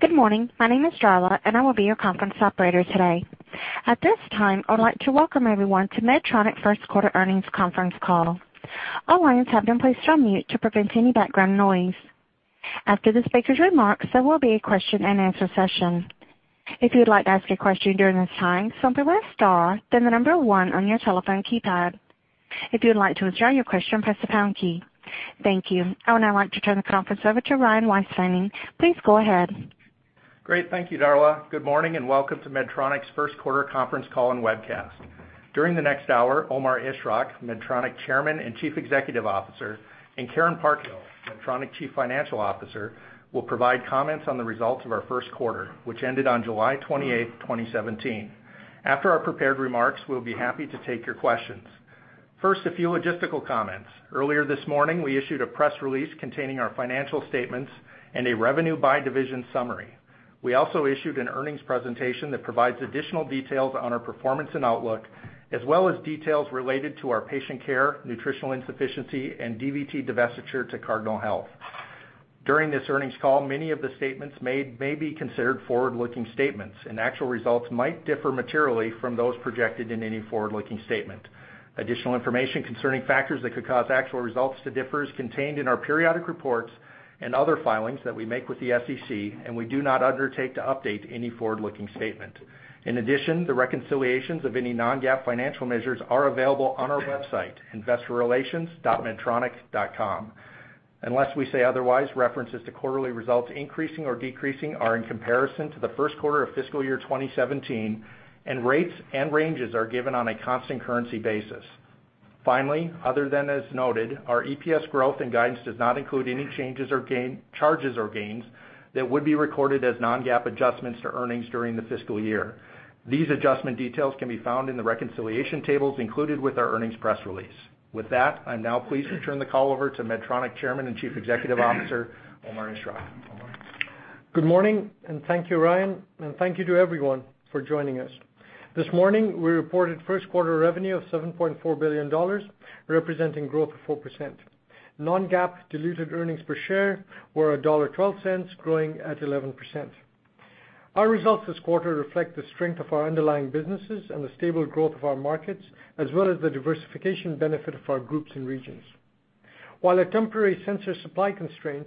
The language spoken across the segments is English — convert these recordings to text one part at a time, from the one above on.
Good morning. My name is Darla, and I will be your conference operator today. At this time, I would like to welcome everyone to Medtronic first quarter earnings conference call. All lines have been placed on mute to prevent any background noise. After the speaker's remarks, there will be a question and answer session. If you would like to ask a question during this time, simply press star, then the number 1 on your telephone keypad. If you would like to withdraw your question, press the pound key. Thank you. I would now like to turn the conference over to Ryan Weispfenning. Please go ahead. Great. Thank you, Darla. Good morning and welcome to Medtronic's first quarter conference call and webcast. During the next hour, Omar Ishrak, Medtronic Chairman and Chief Executive Officer, and Karen Parkhill, Medtronic Chief Financial Officer, will provide comments on the results of our first quarter, which ended on July 28th, 2017. After our prepared remarks, we'll be happy to take your questions. First, a few logistical comments. Earlier this morning, we issued a press release containing our financial statements and a revenue by division summary. We also issued an earnings presentation that provides additional details on our performance and outlook, as well as details related to our patient care, Nutritional Insufficiency, and DVT divestiture to Cardinal Health. During this earnings call, many of the statements made may be considered forward-looking statements. Actual results might differ materially from those projected in any forward-looking statement. Additional information concerning factors that could cause actual results to differ is contained in our periodic reports and other filings that we make with the SEC. We do not undertake to update any forward-looking statement. In addition, the reconciliations of any non-GAAP financial measures are available on our website, investorrelations.medtronic.com. Unless we say otherwise, references to quarterly results increasing or decreasing are in comparison to the first quarter of fiscal year 2017. Rates and ranges are given on a constant currency basis. Finally, other than as noted, our EPS growth and guidance does not include any charges or gains that would be recorded as non-GAAP adjustments to earnings during the fiscal year. These adjustment details can be found in the reconciliation tables included with our earnings press release. With that, I'm now pleased to turn the call over to Medtronic Chairman and Chief Executive Officer, Omar Ishrak. Omar? Good morning, and thank you, Ryan. Thank you to everyone for joining us. This morning, we reported first quarter revenue of $7.4 billion, representing growth of 4%. Non-GAAP diluted earnings per share were $1.12, growing at 11%. Our results this quarter reflect the strength of our underlying businesses and the stable growth of our markets, as well as the diversification benefit of our groups and regions. While a temporary sensor supply constraint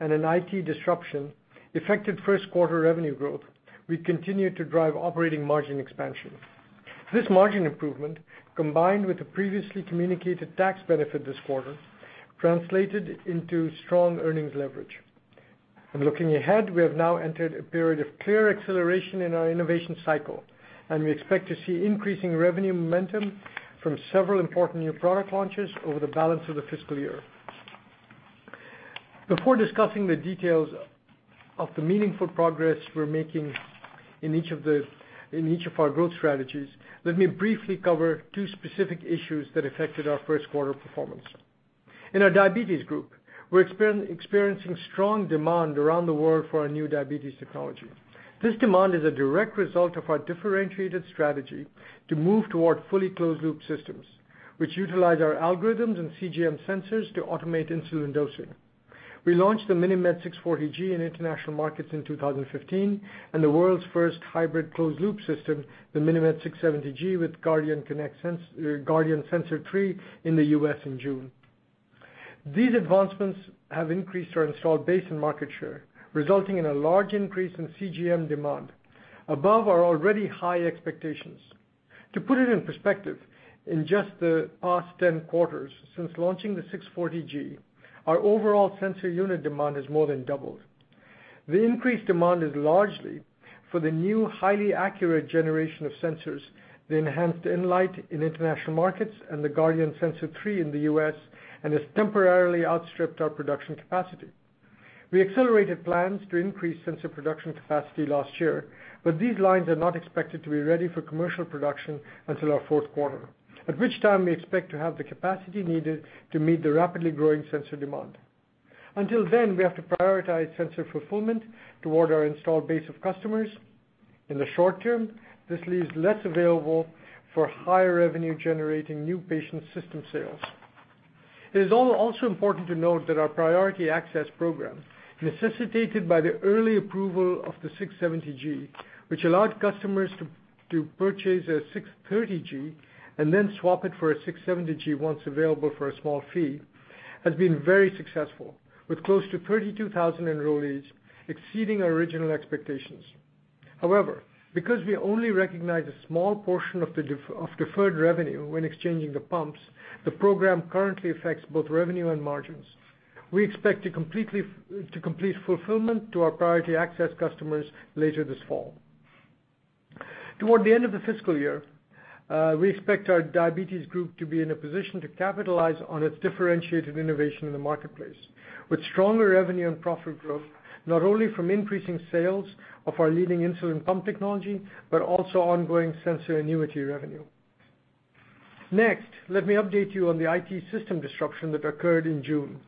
and an IT disruption affected first quarter revenue growth, we continued to drive operating margin expansion. This margin improvement, combined with the previously communicated tax benefit this quarter, translated into strong earnings leverage. Looking ahead, we have now entered a period of clear acceleration in our innovation cycle. We expect to see increasing revenue momentum from several important new product launches over the balance of the fiscal year. Before discussing the details of the meaningful progress we're making in each of our growth strategies, let me briefly cover two specific issues that affected our first quarter performance. In our Diabetes Group, we're experiencing strong demand around the world for our new diabetes technology. This demand is a direct result of our differentiated strategy to move toward fully closed loop systems, which utilize our algorithms and CGM sensors to automate insulin dosing. We launched the MiniMed 640G in international markets in 2015 and the world's first hybrid closed loop system, the MiniMed 670G with Guardian Sensor 3 in the U.S. in June. These advancements have increased our installed base and market share, resulting in a large increase in CGM demand above our already high expectations. To put it in perspective, in just the past 10 quarters since launching the 640G, our overall sensor unit demand has more than doubled. The increased demand is largely for the new, highly accurate generation of sensors, the Enhanced Enlite in international markets and the Guardian Sensor 3 in the U.S., and has temporarily outstripped our production capacity. We accelerated plans to increase sensor production capacity last year, but these lines are not expected to be ready for commercial production until our fourth quarter, at which time we expect to have the capacity needed to meet the rapidly growing sensor demand. Until then, we have to prioritize sensor fulfillment toward our installed base of customers. In the short term, this leaves less available for higher revenue generating new patient system sales. It is also important to note that our priority access program, necessitated by the early approval of the 670G, which allowed customers to purchase a 630G and then swap it for a 670G once available for a small fee, has been very successful, with close to 32,000 enrollees, exceeding our original expectations. However, because we only recognize a small portion of deferred revenue when exchanging the pumps, the program currently affects both revenue and margins. We expect to complete fulfillment to our priority access customers later this fall. Toward the end of the fiscal year, we expect our Diabetes Group to be in a position to capitalize on its differentiated innovation in the marketplace with stronger revenue and profit growth, not only from increasing sales of our leading insulin pump technology, but also ongoing sensor annuity revenue. Next, let me update you on the IT system disruption that occurred in June.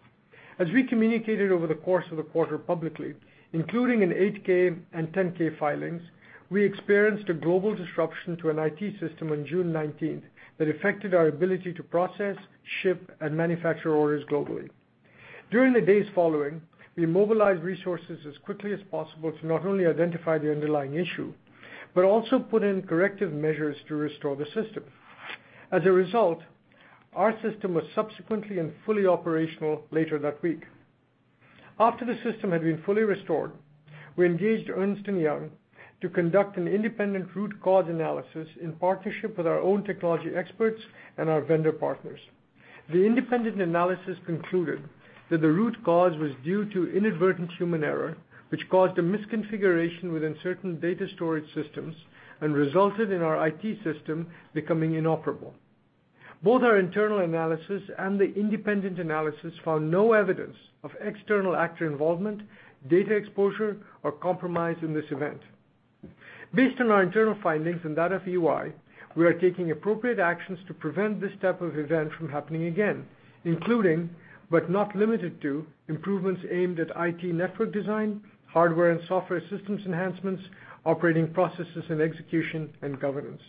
As we communicated over the course of the quarter publicly, including in 8-K and 10-K filings, we experienced a global disruption to an IT system on June 19th that affected our ability to process, ship, and manufacture orders globally. During the days following, we mobilized resources as quickly as possible to not only identify the underlying issue, but also put in corrective measures to restore the system. As a result, our system was subsequently and fully operational later that week. After the system had been fully restored, we engaged Ernst & Young to conduct an independent root cause analysis in partnership with our own technology experts and our vendor partners. The independent analysis concluded that the root cause was due to inadvertent human error, which caused a misconfiguration within certain data storage systems and resulted in our IT system becoming inoperable. Both our internal analysis and the independent analysis found no evidence of external actor involvement, data exposure, or compromise in this event. Based on our internal findings and that of EY, we are taking appropriate actions to prevent this type of event from happening again, including, but not limited to, improvements aimed at IT network design, hardware and software systems enhancements, operating processes and execution, and governance.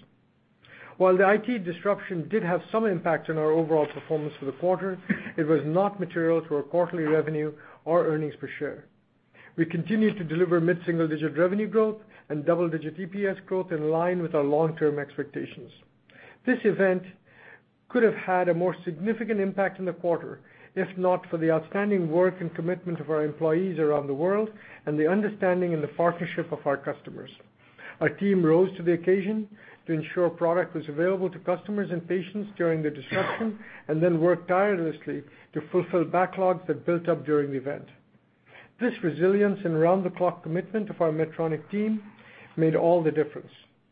While the IT disruption did have some impact on our overall performance for the quarter, it was not material to our quarterly revenue or earnings per share. We continued to deliver mid-single-digit revenue growth and double-digit EPS growth in line with our long-term expectations. This event could have had a more significant impact in the quarter if not for the outstanding work and commitment of our employees around the world and the understanding and the partnership of our customers. Our team rose to the occasion to ensure product was available to customers and patients during the disruption, and then worked tirelessly to fulfill backlogs that built up during the event. This resilience and round-the-clock commitment of our Medtronic team made all the difference,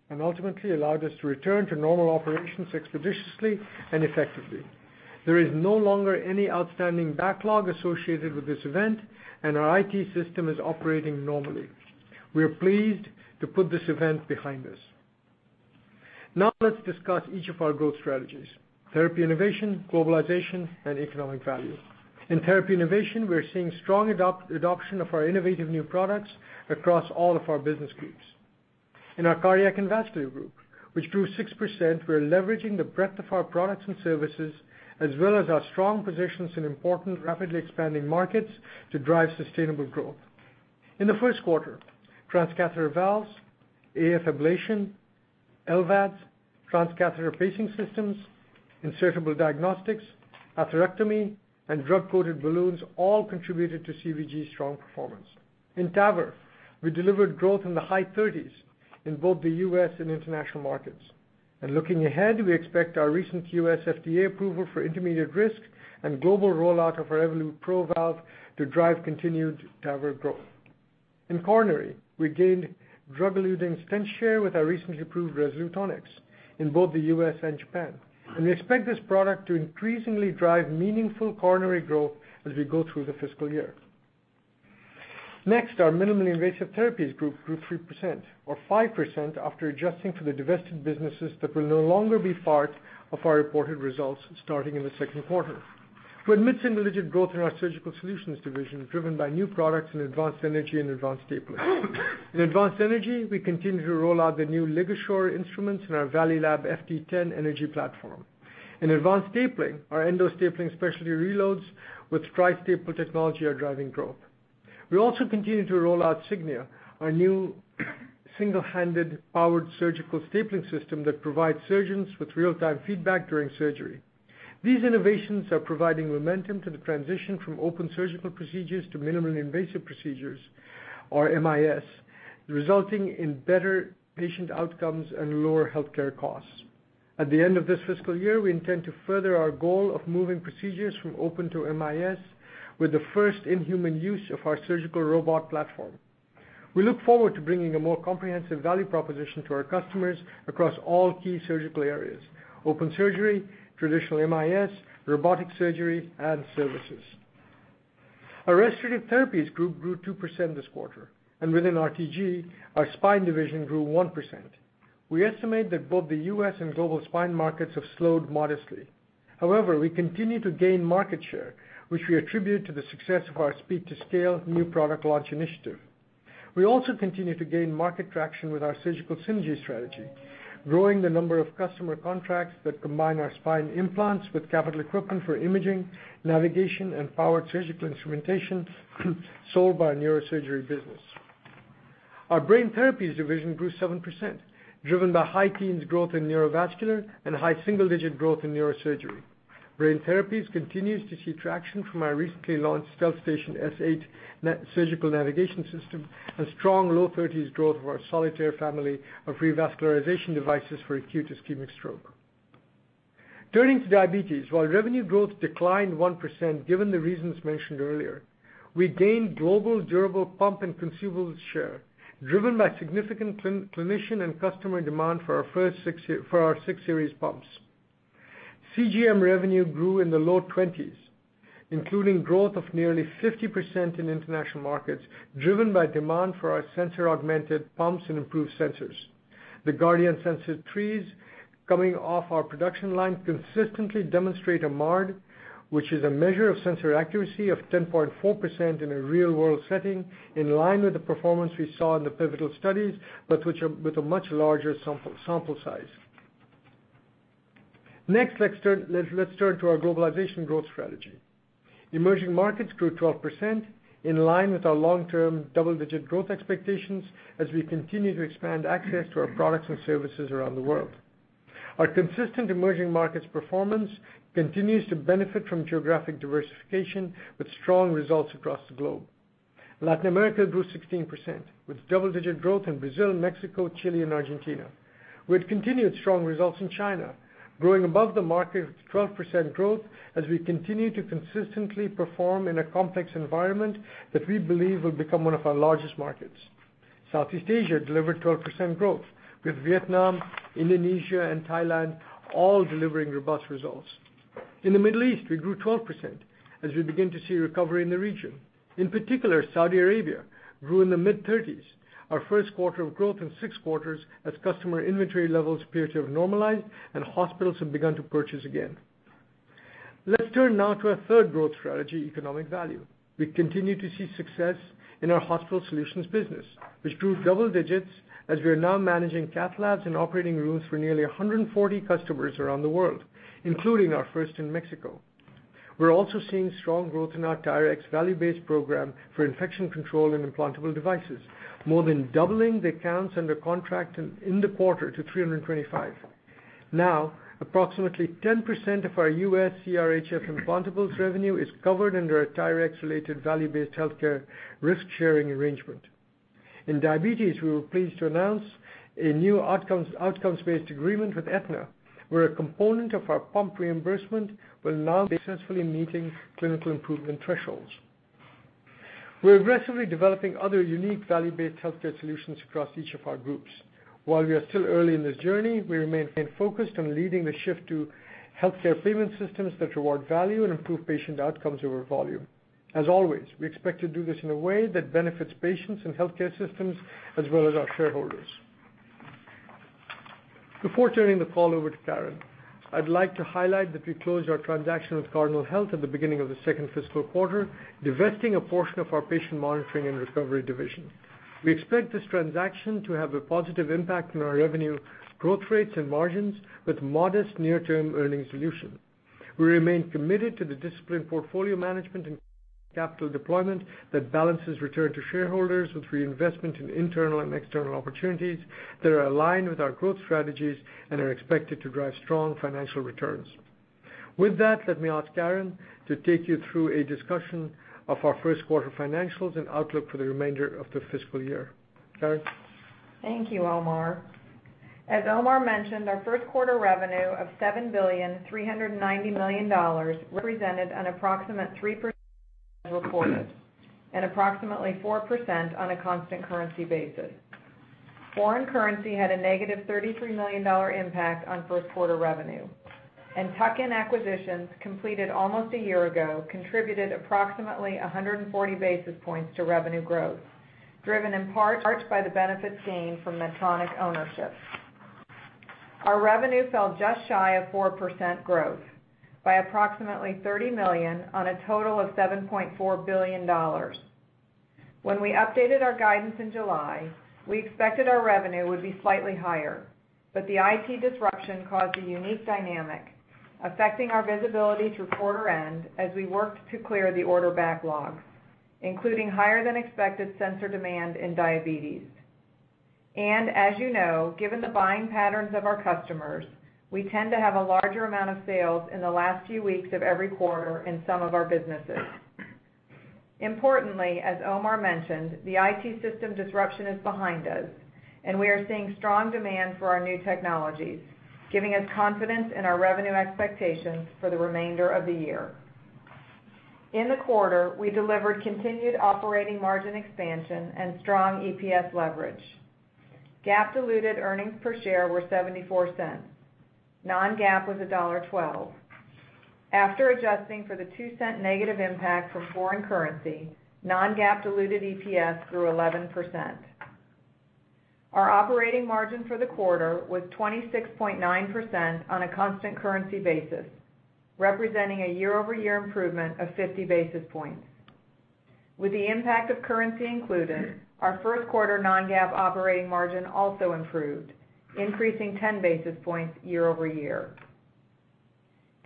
and ultimately allowed us to return to normal operations expeditiously and effectively. There is no longer any outstanding backlog associated with this event, and our IT system is operating normally. We are pleased to put this event behind us. Now let's discuss each of our growth strategies, therapy innovation, globalization, and economic value. In therapy innovation, we're seeing strong adoption of our innovative new products across all of our business groups. In our Cardiac and Vascular Group, which grew 6%, we are leveraging the breadth of our products and services as well as our strong positions in important rapidly expanding markets to drive sustainable growth. In the first quarter, transcatheter valves, AF ablation, LVADs, transcatheter pacing systems, insertable diagnostics, atherectomy, and drug-coated balloons all contributed to CVG's strong performance. In TAVR, we delivered growth in the high 30s in both the U.S. and international markets. Looking ahead, we expect our recent U.S. FDA approval for intermediate risk and global rollout of our Evolut PRO valve to drive continued TAVR growth. In coronary, we gained drug-eluting stent share with our recently approved Resolute Onyx in both the U.S. and Japan. We expect this product to increasingly drive meaningful coronary growth as we go through the fiscal year. Next, our Minimally Invasive Therapies Group grew 3%, or 5% after adjusting for the divested businesses that will no longer be part of our reported results starting in the second quarter. We had mid-single-digit growth in our Surgical Solutions Division, driven by new products in advanced energy and advanced stapling. In advanced energy, we continue to roll out the new LigaSure instruments in our Valleylab FT10 energy platform. In advanced stapling, our endostapling specialty reloads with Tri-Staple technology are driving growth. We also continue to roll out Signia, our new single-handed powered surgical stapling system that provides surgeons with real-time feedback during surgery. These innovations are providing momentum to the transition from open surgical procedures to minimally invasive procedures, or MIS, resulting in better patient outcomes and lower healthcare costs. At the end of this fiscal year, we intend to further our goal of moving procedures from open to MIS with the first in-human use of our surgical robot platform. We look forward to bringing a more comprehensive value proposition to our customers across all key surgical areas, open surgery, traditional MIS, robotic surgery, and services. Our Restorative Therapies Group grew 2% this quarter. Within RTG, our spine division grew 1%. We estimate that both the U.S. and global spine markets have slowed modestly. However, we continue to gain market share, which we attribute to the success of our speed-to-scale new product launch initiative. We also continue to gain market traction with our surgical synergy strategy, growing the number of customer contracts that combine our spine implants with capital equipment for imaging, navigation, and powered surgical instrumentation sold by our neurosurgery business. Our Brain Therapies division grew 7%, driven by high teens growth in neurovascular and high single-digit growth in neurosurgery. Brain Therapies continues to see traction from our recently launched StealthStation S8 surgical navigation system and strong low 30s growth for our Solitaire family of revascularization devices for acute ischemic stroke. Turning to Diabetes, while revenue growth declined 1% given the reasons mentioned earlier, we gained global durable pump and consumables share, driven by significant clinician and customer demand for our 6 Series pumps. CGM revenue grew in the low 20s, including growth of nearly 50% in international markets, driven by demand for our sensor-augmented pumps and improved sensors. The Guardian Sensor 3's coming off our production line consistently demonstrate a MARD, which is a measure of sensor accuracy of 10.4% in a real-world setting, in line with the performance we saw in the pivotal studies, but with a much larger sample size. Let's turn to our globalization growth strategy. Emerging markets grew 12%, in line with our long-term double-digit growth expectations, as we continue to expand access to our products and services around the world. Our consistent emerging markets performance continues to benefit from geographic diversification with strong results across the globe. Latin America grew 16%, with double-digit growth in Brazil, Mexico, Chile, and Argentina. We had continued strong results in China, growing above the market with 12% growth, as we continue to consistently perform in a complex environment that we believe will become one of our largest markets. Southeast Asia delivered 12% growth with Vietnam, Indonesia, and Thailand all delivering robust results. In the Middle East, we grew 12% as we begin to see recovery in the region. In particular, Saudi Arabia grew in the mid-30s, our first quarter of growth in six quarters as customer inventory levels appear to have normalized and hospitals have begun to purchase again. Let's turn now to our third growth strategy, economic value. We continue to see success in our Hospital Solutions business, which grew double digits as we are now managing cath labs and operating rooms for nearly 140 customers around the world, including our first in Mexico. We're also seeing strong growth in our TYRX value-based program for infection control in implantable devices, more than doubling the accounts under contract in the quarter to 325. Now, approximately 10% of our U.S. CRHF implantables revenue is covered under a TYRX-related value-based healthcare risk-sharing arrangement. In Diabetes, we were pleased to announce a new outcomes-based agreement with Aetna, where a component of our pump reimbursement will now be successfully meeting clinical improvement thresholds. We are aggressively developing other unique value-based healthcare solutions across each of our groups. While we are still early in this journey, we remain focused on leading the shift to healthcare payment systems that reward value and improve patient outcomes over volume. As always, we expect to do this in a way that benefits patients and healthcare systems as well as our shareholders. Before turning the call over to Karen, I would like to highlight that we closed our transaction with Cardinal Health at the beginning of the second fiscal quarter, divesting a portion of our patient monitoring and recovery division. We expect this transaction to have a positive impact on our revenue growth rates and margins with modest near-term earnings dilution. We remain committed to the disciplined portfolio management and capital deployment that balances return to shareholders with reinvestment in internal and external opportunities that are aligned with our growth strategies and are expected to drive strong financial returns. With that, let me ask Karen to take you through a discussion of our first quarter financials and outlook for the remainder of the fiscal year. Karen? Thank you, Omar. As Omar mentioned, our first quarter revenue of $7.39 billion represented an approximate 3% as reported and approximately 4% on a constant currency basis. Foreign currency had a negative $33 million impact on first quarter revenue, and tuck-in acquisitions completed almost a year ago contributed approximately 140 basis points to revenue growth, driven in part by the benefits gained from Medtronic ownership. Our revenue fell just shy of 4% growth by approximately $30 million on a total of $7.4 billion. When we updated our guidance in July, we expected our revenue would be slightly higher, but the IT disruption caused a unique dynamic, affecting our visibility through quarter end as we worked to clear the order backlogs, including higher than expected sensor demand in Diabetes. As you know, given the buying patterns of our customers, we tend to have a larger amount of sales in the last few weeks of every quarter in some of our businesses. Importantly, as Omar mentioned, the IT system disruption is behind us, and we are seeing strong demand for our new technologies, giving us confidence in our revenue expectations for the remainder of the year. In the quarter, we delivered continued operating margin expansion and strong EPS leverage. GAAP diluted earnings per share were $0.74. non-GAAP was $1.12. After adjusting for the $0.02 negative impact from foreign currency, non-GAAP diluted EPS grew 11%. Our operating margin for the quarter was 26.9% on a constant currency basis, representing a year-over-year improvement of 50 basis points. With the impact of currency included, our first quarter non-GAAP operating margin also improved, increasing 10 basis points year-over-year.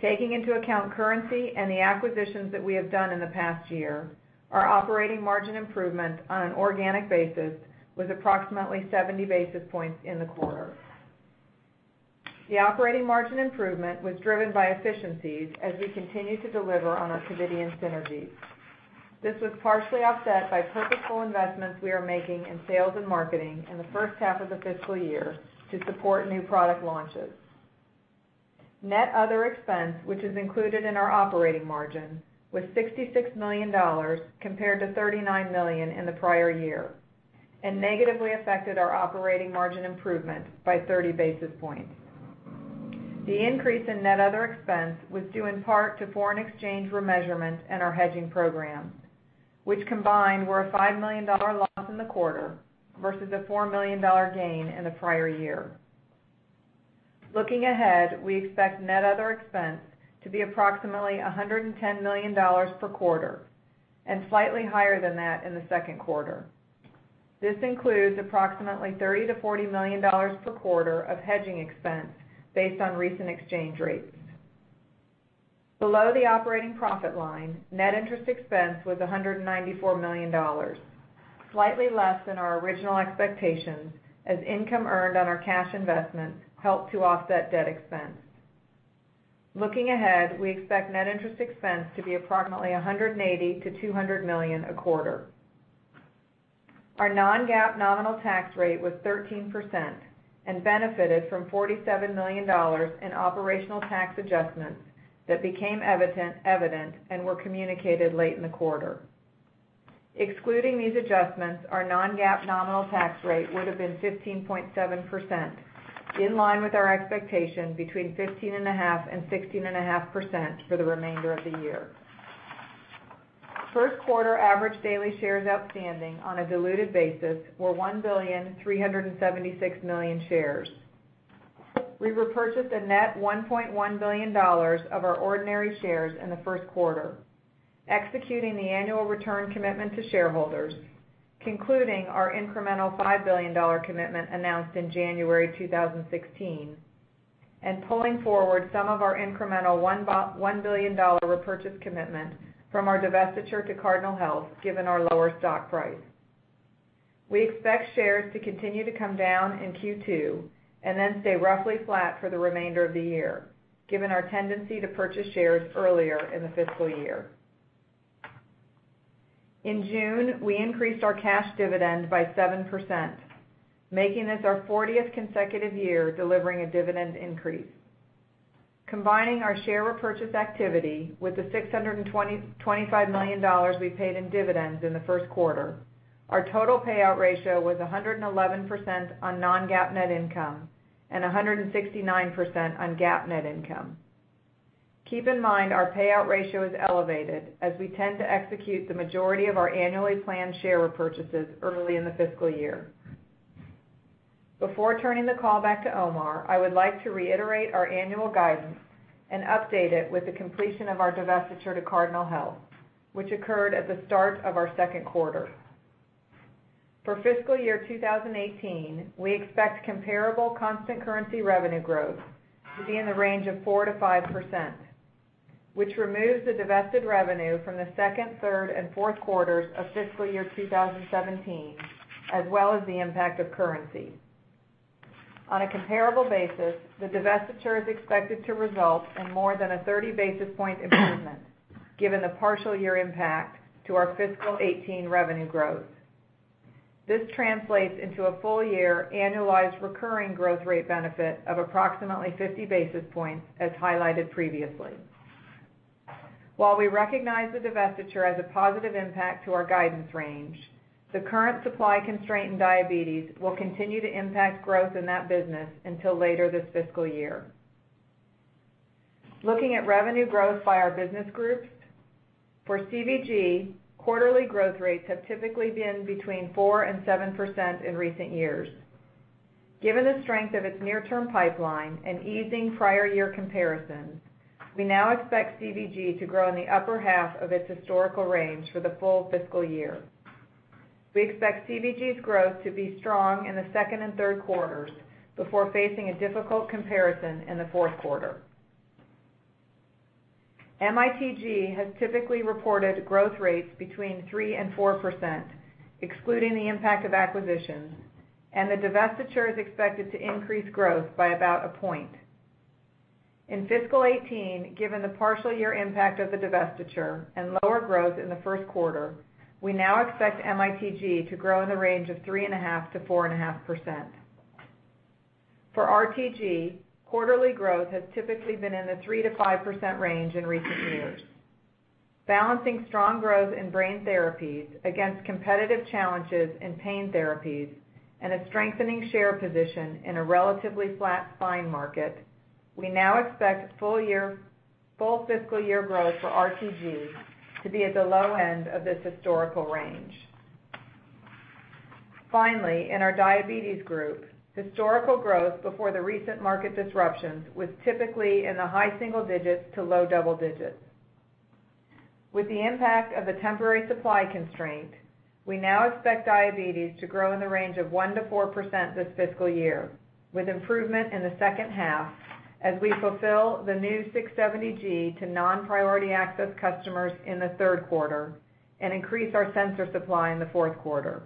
Taking into account currency and the acquisitions that we have done in the past year, our operating margin improvement on an organic basis was approximately 70 basis points in the quarter. The operating margin improvement was driven by efficiencies as we continue to deliver on our Covidien synergies. This was partially offset by purposeful investments we are making in sales and marketing in the first half of the fiscal year to support new product launches. Net other expense, which is included in our operating margin, was $66,000,000 compared to $39 million in the prior year and negatively affected our operating margin improvement by 30 basis points. The increase in net other expense was due in part to foreign exchange remeasurements in our hedging program, which combined were a $5 million loss in the quarter versus a $4 million gain in the prior year. Looking ahead, we expect net other expense to be approximately $110 million per quarter and slightly higher than that in the second quarter. This includes approximately $30 million-$40 million per quarter of hedging expense based on recent exchange rates. Below the operating profit line, net interest expense was $194 million, slightly less than our original expectations as income earned on our cash investments helped to offset debt expense. Looking ahead, we expect net interest expense to be approximately $180 million-$200 million a quarter. Our non-GAAP nominal tax rate was 13% and benefited from $47 million in operational tax adjustments that became evident and were communicated late in the quarter. Excluding these adjustments, our non-GAAP nominal tax rate would have been 15.7%, in line with our expectation between 15.5%-16.5% for the remainder of the year. First quarter average daily shares outstanding on a diluted basis were 1,376,000,000 shares. We repurchased a net $1.1 billion of our ordinary shares in the first quarter, executing the annual return commitment to shareholders, concluding our incremental $5 billion commitment announced in January 2016, pulling forward some of our incremental $1 billion repurchase commitment from our divestiture to Cardinal Health, given our lower stock price. We expect shares to continue to come down in Q2, then stay roughly flat for the remainder of the year, given our tendency to purchase shares earlier in the fiscal year. In June, we increased our cash dividend by 7%, making this our 40th consecutive year delivering a dividend increase. Combining our share repurchase activity with the $625 million we paid in dividends in the first quarter, our total payout ratio was 111% on non-GAAP net income and 169% on GAAP net income. Keep in mind our payout ratio is elevated as we tend to execute the majority of our annually planned share repurchases early in the fiscal year. Before turning the call back to Omar, I would like to reiterate our annual guidance and update it with the completion of our divestiture to Cardinal Health, which occurred at the start of our second quarter. For FY 2018, we expect comparable constant currency revenue growth to be in the range of 4%-5%, which removes the divested revenue from the second, third, and fourth quarters of FY 2017, as well as the impact of currency. On a comparable basis, the divestiture is expected to result in more than a 30 basis point improvement given the partial year impact to our FY 2018 revenue growth. This translates into a full-year annualized recurring growth rate benefit of approximately 50 basis points, as highlighted previously. While we recognize the divestiture as a positive impact to our guidance range, the current supply constraint in Diabetes will continue to impact growth in that business until later this fiscal year. Looking at revenue growth by our business groups, for CVG, quarterly growth rates have typically been between 4% and 7% in recent years. Given the strength of its near-term pipeline and easing prior year comparisons, we now expect CVG to grow in the upper half of its historical range for the full fiscal year. We expect CVG's growth to be strong in the second and third quarters before facing a difficult comparison in the fourth quarter. MITG has typically reported growth rates between 3% and 4%, excluding the impact of acquisitions, and the divestiture is expected to increase growth by about a point. In fiscal 2018, given the partial year impact of the divestiture and lower growth in the first quarter, we now expect MITG to grow in the range of 3.5% to 4.5%. For RTG, quarterly growth has typically been in the 3% to 5% range in recent years. Balancing strong growth in brain therapies against competitive challenges in pain therapies and a strengthening share position in a relatively flat spine market, we now expect full fiscal year growth for RTG to be at the low end of this historical range. Finally, in our Diabetes group, historical growth before the recent market disruptions was typically in the high single digits to low double digits. With the impact of the temporary supply constraint, we now expect Diabetes to grow in the range of 1% to 4% this fiscal year, with improvement in the second half as we fulfill the new MiniMed 670G to non-priority access customers in the third quarter and increase our sensor supply in the fourth quarter.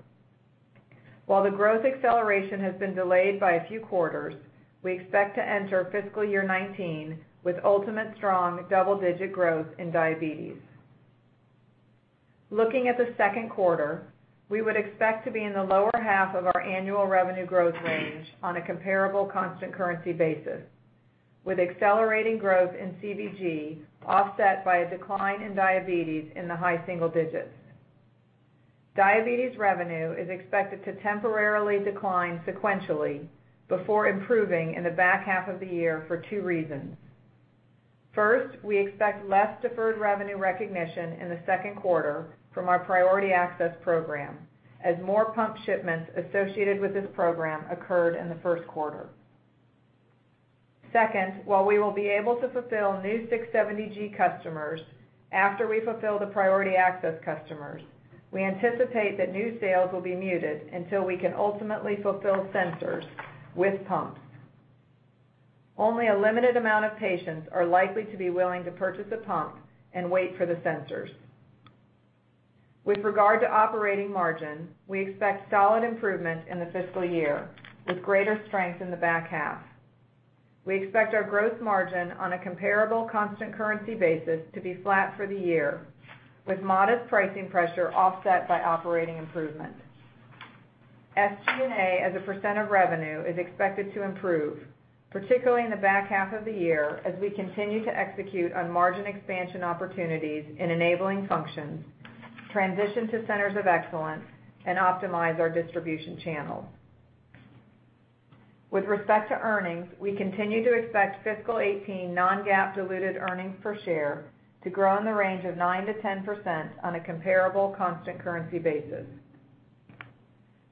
While the growth acceleration has been delayed by a few quarters, we expect to enter fiscal year 2019 with ultimate strong double-digit growth in Diabetes. Looking at the second quarter, we would expect to be in the lower half of our annual revenue growth range on a comparable constant currency basis, with accelerating growth in CVG offset by a decline in Diabetes in the high single digits. Diabetes revenue is expected to temporarily decline sequentially before improving in the back half of the year for two reasons. First, we expect less deferred revenue recognition in the second quarter from our priority access program as more pump shipments associated with this program occurred in the first quarter. Second, while we will be able to fulfill new MiniMed 670G customers after we fulfill the priority access customers, we anticipate that new sales will be muted until we can ultimately fulfill sensors with pumps. Only a limited amount of patients are likely to be willing to purchase a pump and wait for the sensors. With regard to operating margin, we expect solid improvement in the fiscal year, with greater strength in the back half. We expect our growth margin on a comparable constant currency basis to be flat for the year, with modest pricing pressure offset by operating improvement. SG&A as a percent of revenue is expected to improve, particularly in the back half of the year as we continue to execute on margin expansion opportunities in enabling functions, transition to centers of excellence, and optimize our distribution channels. With respect to earnings, we continue to expect fiscal 2018 non-GAAP diluted earnings per share to grow in the range of 9%-10% on a comparable constant currency basis.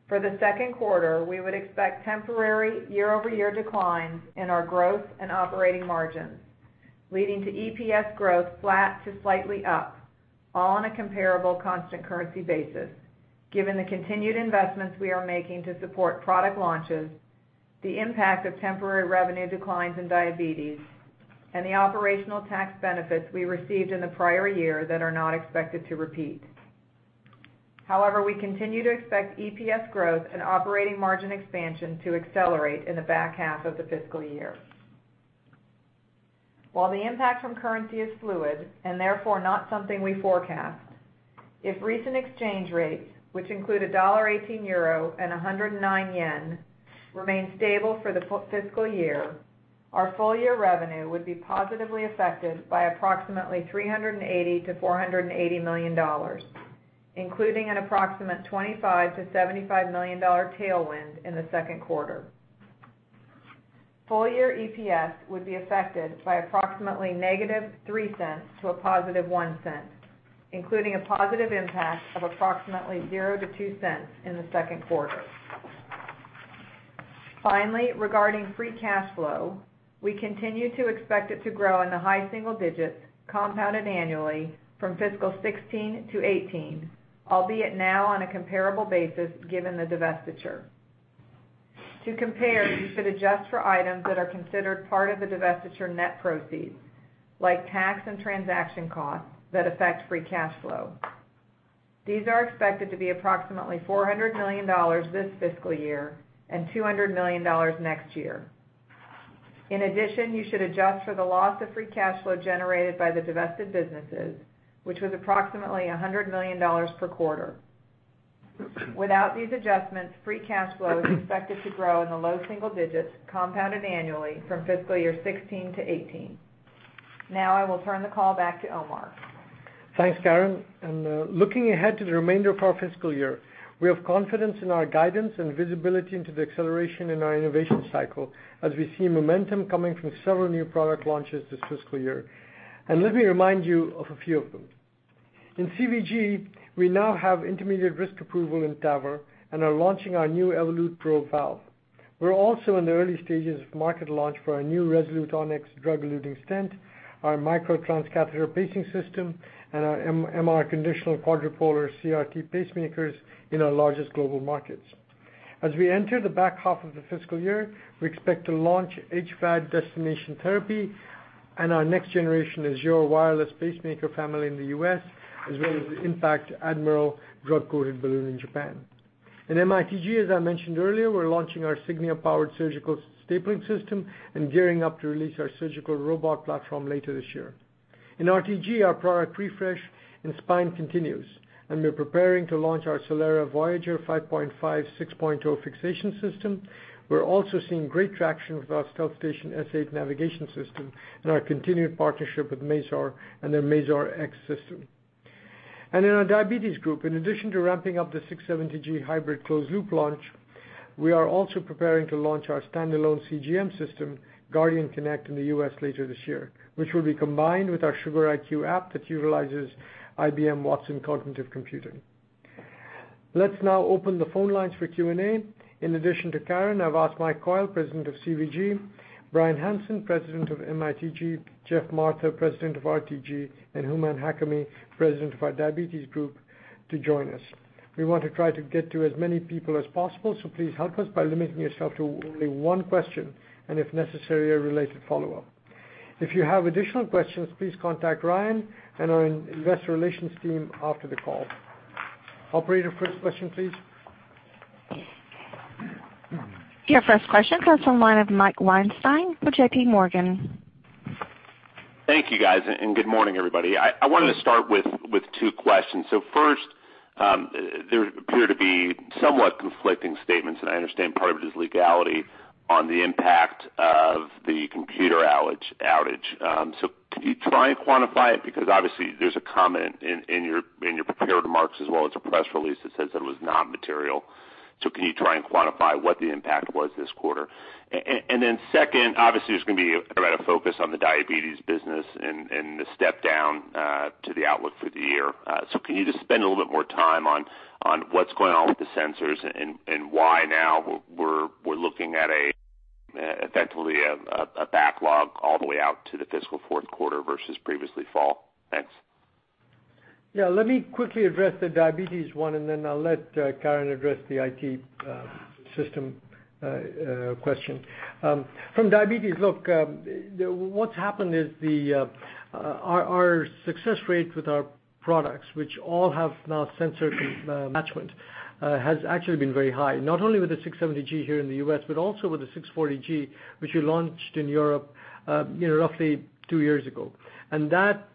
For the second quarter, we would expect temporary year-over-year declines in our growth and operating margins, leading to EPS growth flat to slightly up, all on a comparable constant currency basis, given the continued investments we are making to support product launches, the impact of temporary revenue declines in Diabetes, and the operational tax benefits we received in the prior year that are not expected to repeat. We continue to expect EPS growth and operating margin expansion to accelerate in the back half of the fiscal year. While the impact from currency is fluid and therefore not something we forecast, if recent exchange rates, which include a dollar eighteen euro and 109 yen, remain stable for the fiscal year, our full-year revenue would be positively affected by approximately $380 million-$480 million, including an approximate $25 million-$75 million tailwind in the second quarter. Full-year EPS would be affected by approximately -$0.03 to a positive $0.01, including a positive impact of approximately $0.00-$0.02 in the second quarter. Finally, regarding free cash flow, we continue to expect it to grow in the high single digits compounded annually from fiscal 2016 to 2018, albeit now on a comparable basis given the divestiture. To compare, you should adjust for items that are considered part of the divestiture net proceeds, like tax and transaction costs that affect free cash flow. These are expected to be approximately $400 million this fiscal year and $200 million next year. In addition, you should adjust for the loss of free cash flow generated by the divested businesses, which was approximately $100 million per quarter. Without these adjustments, free cash flow is expected to grow in the low single digits compounded annually from fiscal year 2016 to 2018. I will turn the call back to Omar. Thanks, Karen, looking ahead to the remainder of our fiscal year, we have confidence in our guidance and visibility into the acceleration in our innovation cycle as we see momentum coming from several new product launches this fiscal year. Let me remind you of a few of them. In CVG, we now have intermediate risk approval in TAVR and are launching our new Evolut PRO valve. We are also in the early stages of market launch for our new Resolute Onyx drug-eluting stent, our Micra transcatheter pacing system, and our MR conditional quadripolar CRT pacemakers in our largest global markets. As we enter the back half of the fiscal year, we expect to launch HVAD destination therapy and our next generation Azure wireless pacemaker family in the U.S., as well as the IN.PACT Admiral drug-coated balloon in Japan. In MITG, as I mentioned earlier, we're launching our Signia-powered surgical stapling system and gearing up to release our surgical robot platform later this year. In RTG, our product refresh in spine continues, and we're preparing to launch our Solera Voyager 5.5/6.0 fixation system. We're also seeing great traction with our StealthStation S8 navigation system and our continued partnership with Mazor and their Mazor X system. In our Diabetes Group, in addition to ramping up the 670G hybrid closed loop launch, we are also preparing to launch our standalone CGM system, Guardian Connect, in the U.S. later this year, which will be combined with our Sugar.IQ app that utilizes IBM Watson cognitive computing. Let's now open the phone lines for Q&A. In addition to Karen, I've asked Mike Coyle, President of CVG, Bryan Hanson, President of MITG, Geoff Martha, President of RTG, and Hooman Hakami, President of our Diabetes Group, to join us. We want to try to get to as many people as possible, so please help us by limiting yourself to only one question and if necessary, a related follow-up. If you have additional questions, please contact Ryan and our investor relations team after the call. Operator, first question please. Your first question comes from the line of Mike Weinstein with JPMorgan. Thank you guys, good morning, everybody. I wanted to start with two questions. First, there appear to be somewhat conflicting statements, and I understand part of it is legality, on the impact of the computer outage. Can you try and quantify it? Because obviously there's a comment in your prepared remarks as well as a press release that says that it was not material. Can you try and quantify what the impact was this quarter? Then second, obviously there's going to be a focus on the Diabetes Business and the step down to the outlook for the year. Can you just spend a little bit more time on what's going on with the sensors and why now we're looking at eventually a backlog all the way out to the fiscal fourth quarter versus previously fall? Thanks. Yeah. Let me quickly address the Diabetes one and then I'll let Karen address the IT system question. From Diabetes, look, what's happened is our success rate with our products, which all have now sensor attachment has actually been very high, not only with the 670G here in the U.S., but also with the 640G, which we launched in Europe roughly two years ago. That,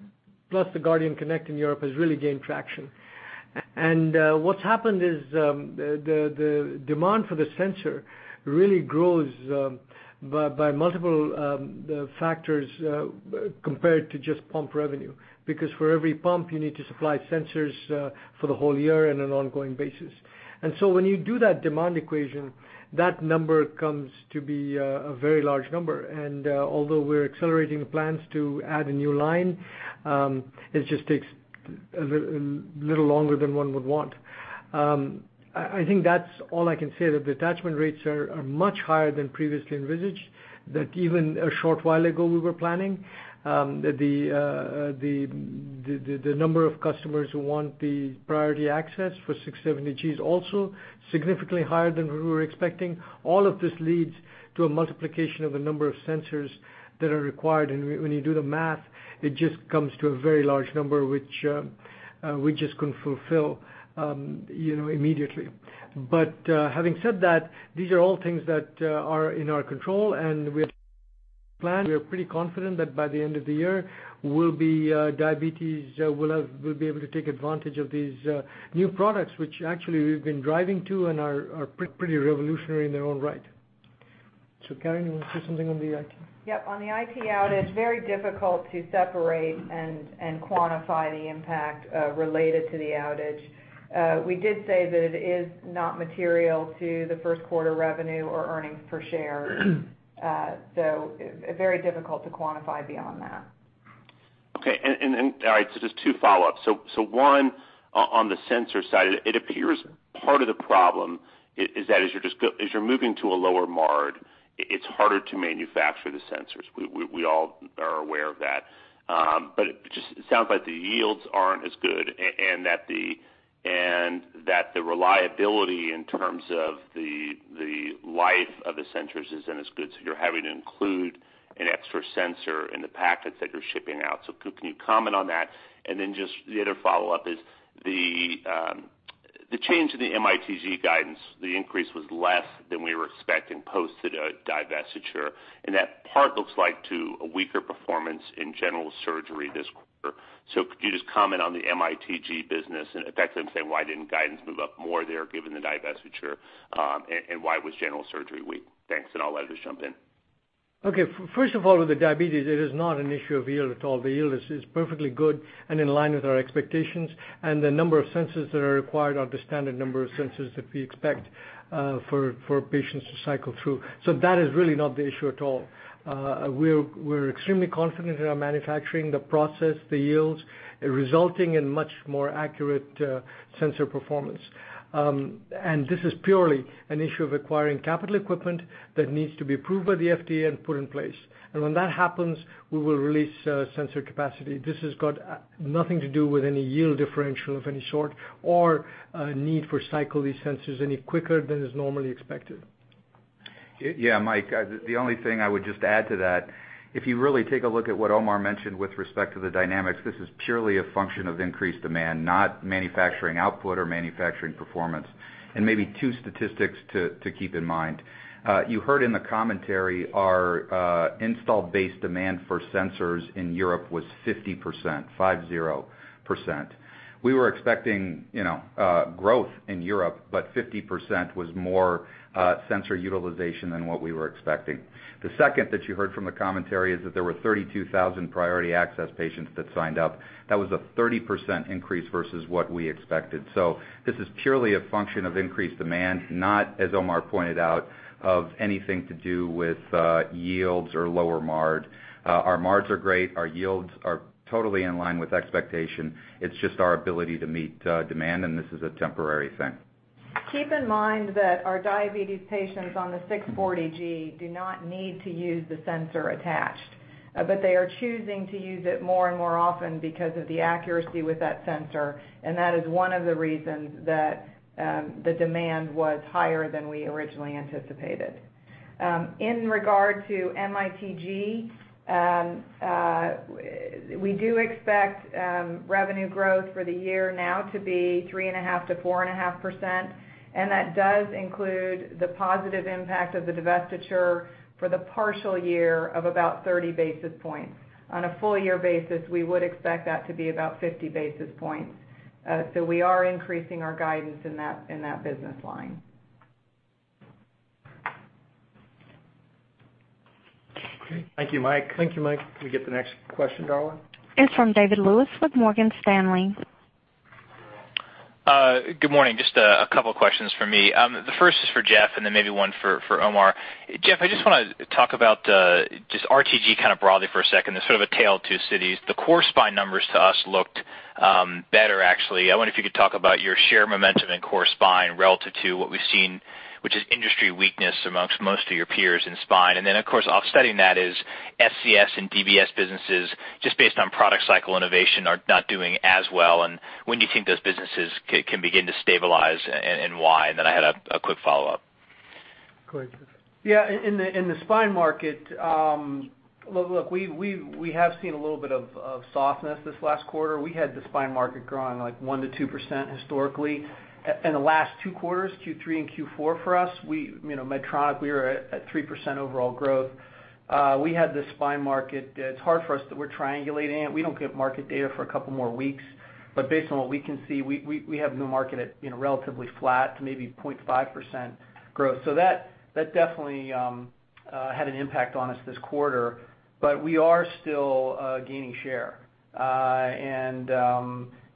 plus the Guardian Connect in Europe, has really gained traction. What's happened is, the demand for the sensor really grows by multiple factors compared to just pump revenue, because for every pump, you need to supply sensors for the whole year in an ongoing basis. When you do that demand equation, that number comes to be a very large number. Although we're accelerating the plans to add a new line, it just takes a little longer than one would want. I think that's all I can say, that the attachment rates are much higher than previously envisaged, that even a short while ago, we were planning that the number of customers who want the priority access for 670Gs also significantly higher than we were expecting. All of this leads to a multiplication of the number of sensors that are required. When you do the math, it just comes to a very large number, which we just couldn't fulfill immediately. Having said that, these are all things that are in our control, and we have plan. We are pretty confident that by the end of the year, Diabetes will be able to take advantage of these new products, which actually we've been driving to and are pretty revolutionary in their own right. Karen, you want to say something on the IT? Yep. On the IT outage, very difficult to separate and quantify the impact related to the outage. We did say that it is not material to the first quarter revenue or earnings per share. Very difficult to quantify beyond that. Okay. All right, just two follow-ups. One, on the sensor side, it appears part of the problem is that as you're moving to a lower MARD, it's harder to manufacture the sensors. We all are aware of that. It just sounds like the yields aren't as good and that the reliability in terms of the life of the sensors isn't as good, so you're having to include an extra sensor in the packets that you're shipping out. Could you comment on that? Then just the other follow-up is the change in the MITG guidance. The increase was less than we were expecting post the divestiture, and that part looks like to a weaker performance in general surgery this quarter. Could you just comment on the MITG business? If that's the same, why didn't guidance move up more there given the divestiture? Why was general surgery weak? Thanks, I'll let others jump in. Okay. First of all, with the Diabetes, it is not an issue of yield at all. The yield is perfectly good and in line with our expectations, and the number of sensors that are required are the standard number of sensors that we expect for patients to cycle through. That is really not the issue at all. We're extremely confident in our manufacturing, the process, the yields, resulting in much more accurate sensor performance. This is purely an issue of acquiring capital equipment that needs to be approved by the FDA and put in place. When that happens, we will release sensor capacity. This has got nothing to do with any yield differential of any sort or a need for cycle these sensors any quicker than is normally expected. Yeah, Mike, the only thing I would just add to that, if you really take a look at what Omar mentioned with respect to the dynamics, this is purely a function of increased demand, not manufacturing output or manufacturing performance. Maybe two statistics to keep in mind. You heard in the commentary our install base demand for sensors in Europe was 50%. We were expecting growth in Europe, but 50% was more sensor utilization than what we were expecting. The second that you heard from the commentary is that there were 32,000 priority access patients that signed up. That was a 30% increase versus what we expected. This is purely a function of increased demand, not as Omar pointed out of anything to do with yields or lower MARD. Our MARDs are great. Our yields are totally in line with expectation. It's just our ability to meet demand, and this is a temporary thing. Keep in mind that our Diabetes patients on the MiniMed 640G do not need to use the sensor attached. They are choosing to use it more and more often because of the accuracy with that sensor, and that is one of the reasons that the demand was higher than we originally anticipated. In regard to MITG, we do expect revenue growth for the year now to be 3.5%-4.5%, and that does include the positive impact of the divestiture for the partial year of about 30 basis points. On a full year basis, we would expect that to be about 50 basis points. We are increasing our guidance in that business line. Okay. Thank you, Mike. Thank you, Mike. Can we get the next question, Darla? It's from David Lewis with Morgan Stanley. Good morning. Just a couple questions for me. The first is for Geoff and maybe one for Omar. Geoff, I just want to talk about just RTG kind of broadly for a second. It's sort of a tale of two cities. The core spine numbers to us looked better, actually. I wonder if you could talk about your share momentum in core spine relative to what we've seen Which is industry weakness amongst most of your peers in spine. Of course, offsetting that is SCS and DBS businesses, just based on product cycle innovation, are not doing as well. When do you think those businesses can begin to stabilize, and why? I had a quick follow-up. Go ahead, Geoff. Yeah. In the spine market, look, we have seen a little bit of softness this last quarter. We had the spine market growing 1%-2% historically. In the last 2 quarters, Q3 and Q4 for us, Medtronic, we were at 3% overall growth. We had the spine market, it's hard for us that we're triangulating it. We don't get market data for a couple more weeks, but based on what we can see, we have new market at relatively flat to maybe 0.5% growth. That definitely had an impact on us this quarter. We are still gaining share.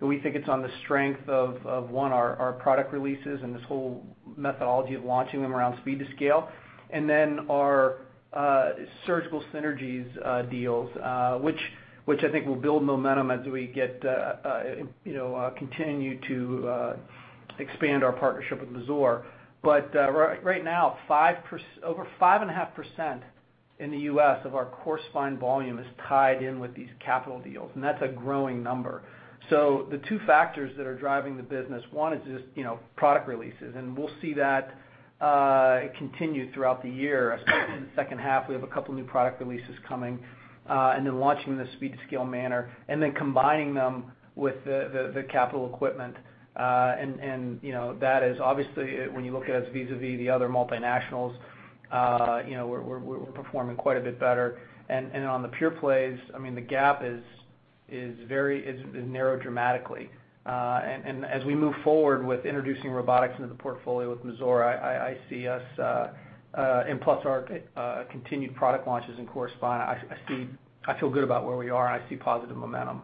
We think it's on the strength of, one, our product releases and this whole methodology of launching them around speed to scale, and our surgical synergies deals, which I think will build momentum as we continue to expand our partnership with Mazor. Right now, over 5.5% in the U.S. of our core spine volume is tied in with these capital deals, and that's a growing number. The two factors that are driving the business, one is just product releases, and we'll see that continue throughout the year, especially in the second half. We have a couple new product releases coming. Launching the speed to scale manner and then combining them with the capital equipment. That is obviously, when you look at us vis-a-vis the other multinationals, we're performing quite a bit better. On the pure plays, the gap has narrowed dramatically. As we move forward with introducing robotics into the portfolio with Mazor and plus our continued product launches in core spine, I feel good about where we are, and I see positive momentum.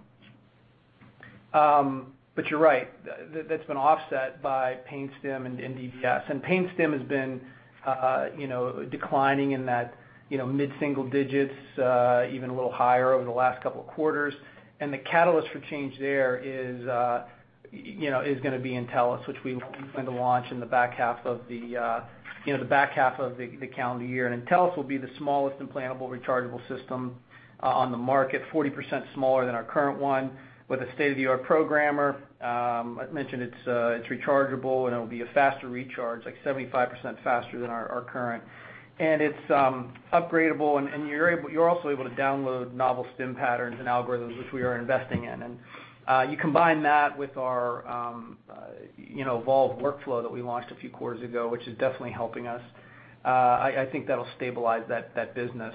You're right, that's been offset by pain stim and DBS. Pain stim has been declining in that mid-single digits, even a little higher over the last couple of quarters. The catalyst for change there is going to be Intellis, which we plan to launch in the back half of the calendar year. Intellis will be the smallest implantable rechargeable system on the market, 40% smaller than our current one with a state-of-the-art programmer. I mentioned it's rechargeable, and it'll be a faster recharge, like 75% faster than our current. It's upgradable, and you're also able to download novel stim patterns and algorithms, which we are investing in. You combine that with our evolved workflow that we launched a few quarters ago, which is definitely helping us. I think that'll stabilize that business.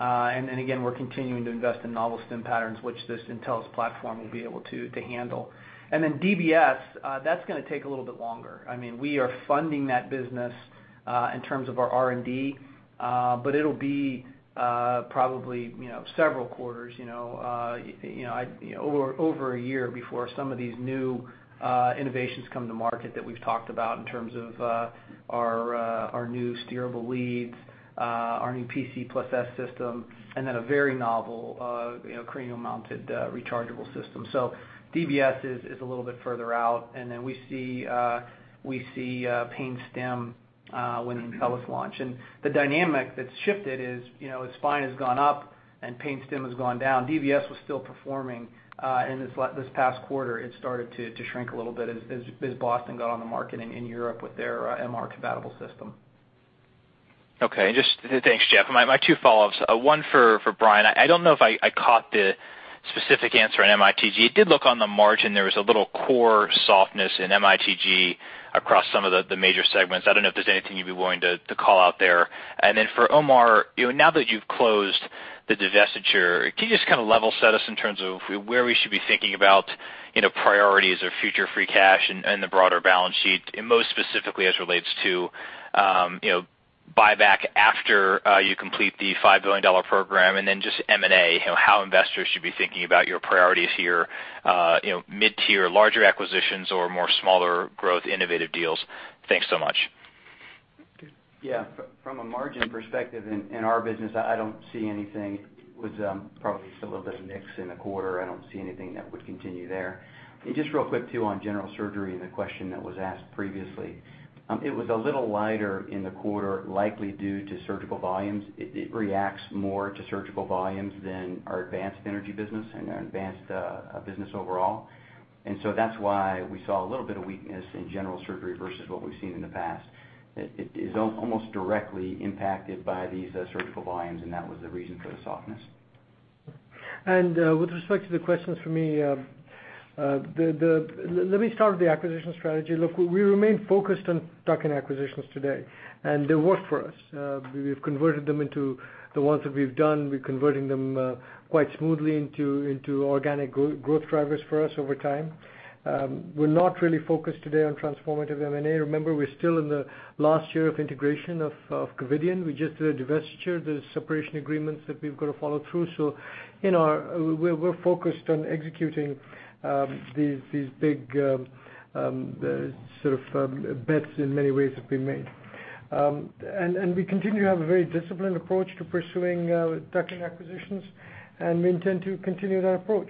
Again, we're continuing to invest in novel stim patterns, which this Intellis platform will be able to handle. DBS, that's going to take a little bit longer. We are funding that business in terms of our R&D, but it'll be probably several quarters, over a year before some of these new innovations come to market that we've talked about in terms of our new steerable leads, our new PC+S system, and then a very novel cranial-mounted rechargeable system. DBS is a little bit further out. We see pain stim with Intellis launch. The dynamic that's shifted is spine has gone up and pain stim has gone down. DBS was still performing. In this past quarter, it started to shrink a little bit as Boston got on the market in Europe with their MR-compatible system. Okay, thanks, Geoff. My two follow-ups. One for Bryan. I don't know if I caught the specific answer on MITG. It did look on the margin there was a little core softness in MITG across some of the major segments. I don't know if there's anything you'd be willing to call out there. Then for Omar, now that you've closed the divestiture, can you just kind of level set us in terms of where we should be thinking about priorities or future free cash and the broader balance sheet? Most specifically as relates to buyback after you complete the $5 billion program and then just M&A, how investors should be thinking about your priorities here, mid-tier larger acquisitions or more smaller growth innovative deals. Thanks so much. Okay. Yeah. From a margin perspective in our business, I don't see anything. It was probably just a little bit of mix in the quarter. I don't see anything that would continue there. Just real quick too on general surgery and the question that was asked previously. It was a little lighter in the quarter, likely due to surgical volumes. It reacts more to surgical volumes than our advanced energy business and our advanced business overall. That's why we saw a little bit of weakness in general surgery versus what we've seen in the past. It is almost directly impacted by these surgical volumes, and that was the reason for the softness. With respect to the questions for me, let me start with the acquisition strategy. Look, we remain focused on tuck-in acquisitions today, and they work for us. We have converted them into the ones that we've done. We're converting them quite smoothly into organic growth drivers for us over time. We're not really focused today on transformative M&A. Remember, we're still in the last year of integration of Covidien. We just did a divestiture. There's separation agreements that we've got to follow through. We're focused on executing these big sort of bets in many ways have been made. We continue to have a very disciplined approach to pursuing tuck-in acquisitions, and we intend to continue that approach.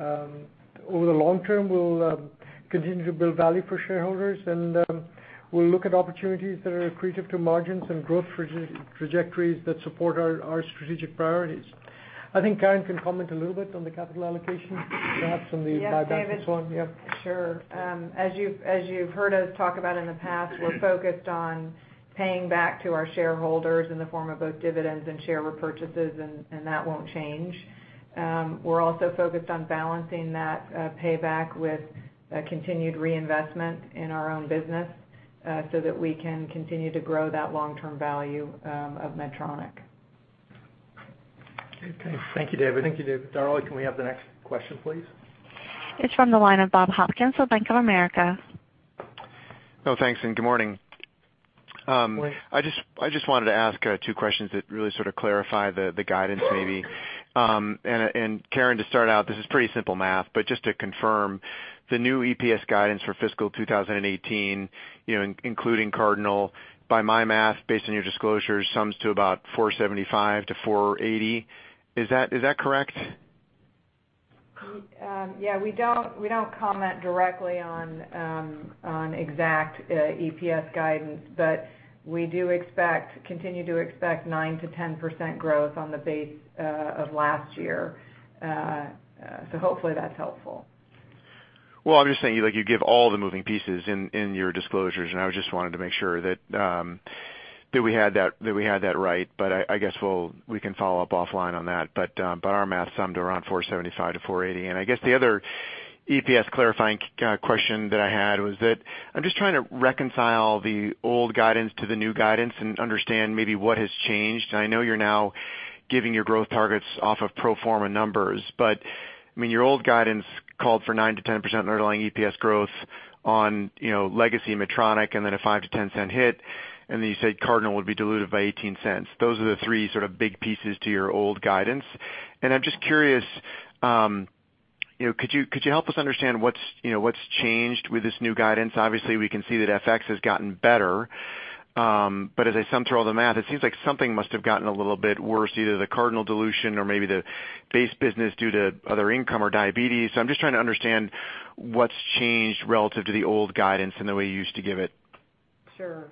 Over the long term, we'll continue to build value for shareholders, and we'll look at opportunities that are accretive to margins and growth trajectories that support our strategic priorities. I think Karen can comment a little bit on the capital allocation, perhaps on the buybacks going. Yes, David. Sure. As you've heard us talk about in the past, we're focused on paying back to our shareholders in the form of both dividends and share repurchases, and that won't change. We're also focused on balancing that payback with a continued reinvestment in our own business, so that we can continue to grow that long-term value of Medtronic. Okay. Thank you, David. Thank you, David. Darla, can we have the next question, please? It's from the line of Bob Hopkins with Bank of America. No, thanks, and good morning. Morning. I just wanted to ask two questions that really sort of clarify the guidance maybe. Karen, to start out, this is pretty simple math, but just to confirm, the new EPS guidance for fiscal 2018, including Cardinal, by my math, based on your disclosures, sums to about $4.75-$4.80. Is that correct? Yeah, we don't comment directly on exact EPS guidance, but we do continue to expect 9%-10% growth on the base of last year. Hopefully that's helpful. Well, I'm just saying, you give all the moving pieces in your disclosures, I just wanted to make sure that we had that right. I guess we can follow up offline on that. Our math summed around $4.75-$4.80. I guess the other EPS clarifying question that I had was that I'm just trying to reconcile the old guidance to the new guidance and understand maybe what has changed. I know you're now giving your growth targets off of pro forma numbers. Your old guidance called for 9%-10% underlying EPS growth on legacy Medtronic, then a $0.05-$0.10 hit, then you said Cardinal would be diluted by $0.18. Those are the three sort of big pieces to your old guidance. I'm just curious, could you help us understand what's changed with this new guidance? Obviously, we can see that FX has gotten better. As I sum through all the math, it seems like something must have gotten a little bit worse, either the Cardinal dilution or maybe the base business due to other income or Diabetes. I'm just trying to understand what's changed relative to the old guidance and the way you used to give it. Sure.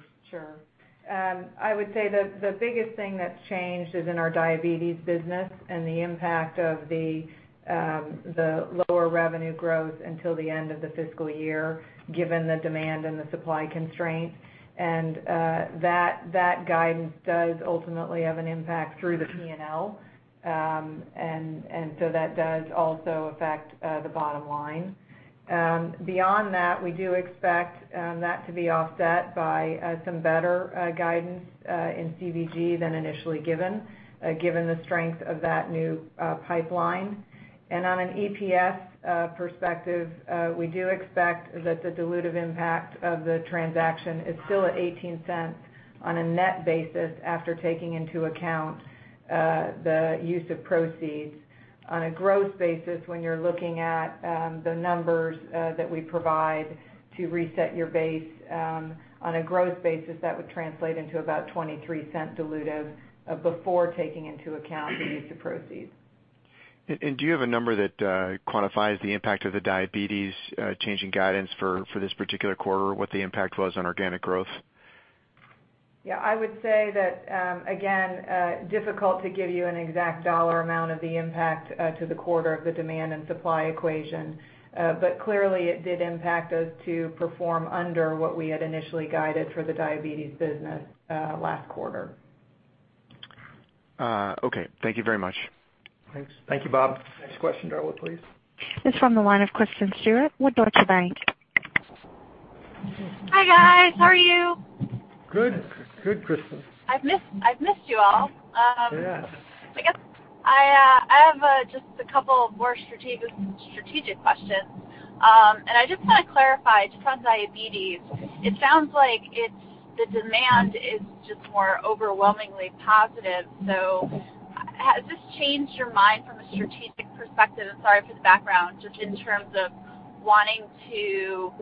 I would say that the biggest thing that's changed is in our Diabetes business and the impact of the lower revenue growth until the end of the fiscal year, given the demand and the supply constraint. That guidance does ultimately have an impact through the P&L. That does also affect the bottom line. Beyond that, we do expect that to be offset by some better guidance in CVG than initially given the strength of that new pipeline. On an EPS perspective, we do expect that the dilutive impact of the transaction is still at $0.18 on a net basis after taking into account the use of proceeds. On a gross basis, when you're looking at the numbers that we provide to reset your base on a gross basis, that would translate into about $0.23 dilutive before taking into account the use of proceeds. Do you have a number that quantifies the impact of the Diabetes changing guidance for this particular quarter, what the impact was on organic growth? Yeah, I would say that, again, difficult to give you an exact dollar amount of the impact to the quarter of the demand and supply equation. Clearly, it did impact us to perform under what we had initially guided for the Diabetes business last quarter. Okay. Thank you very much. Thanks. Thank you, Bob. Next question, Darla, please. It's from the line of Kristen Stewart with Deutsche Bank. Hi, guys. How are you? Good. Good, Kristen. I've missed you all. Yeah. I guess I have just a couple of more strategic questions. I just want to clarify, just on Diabetes, it sounds like the demand is just more overwhelmingly positive. Has this changed your mind from a strategic perspective, and sorry for the background, just in terms of wanting to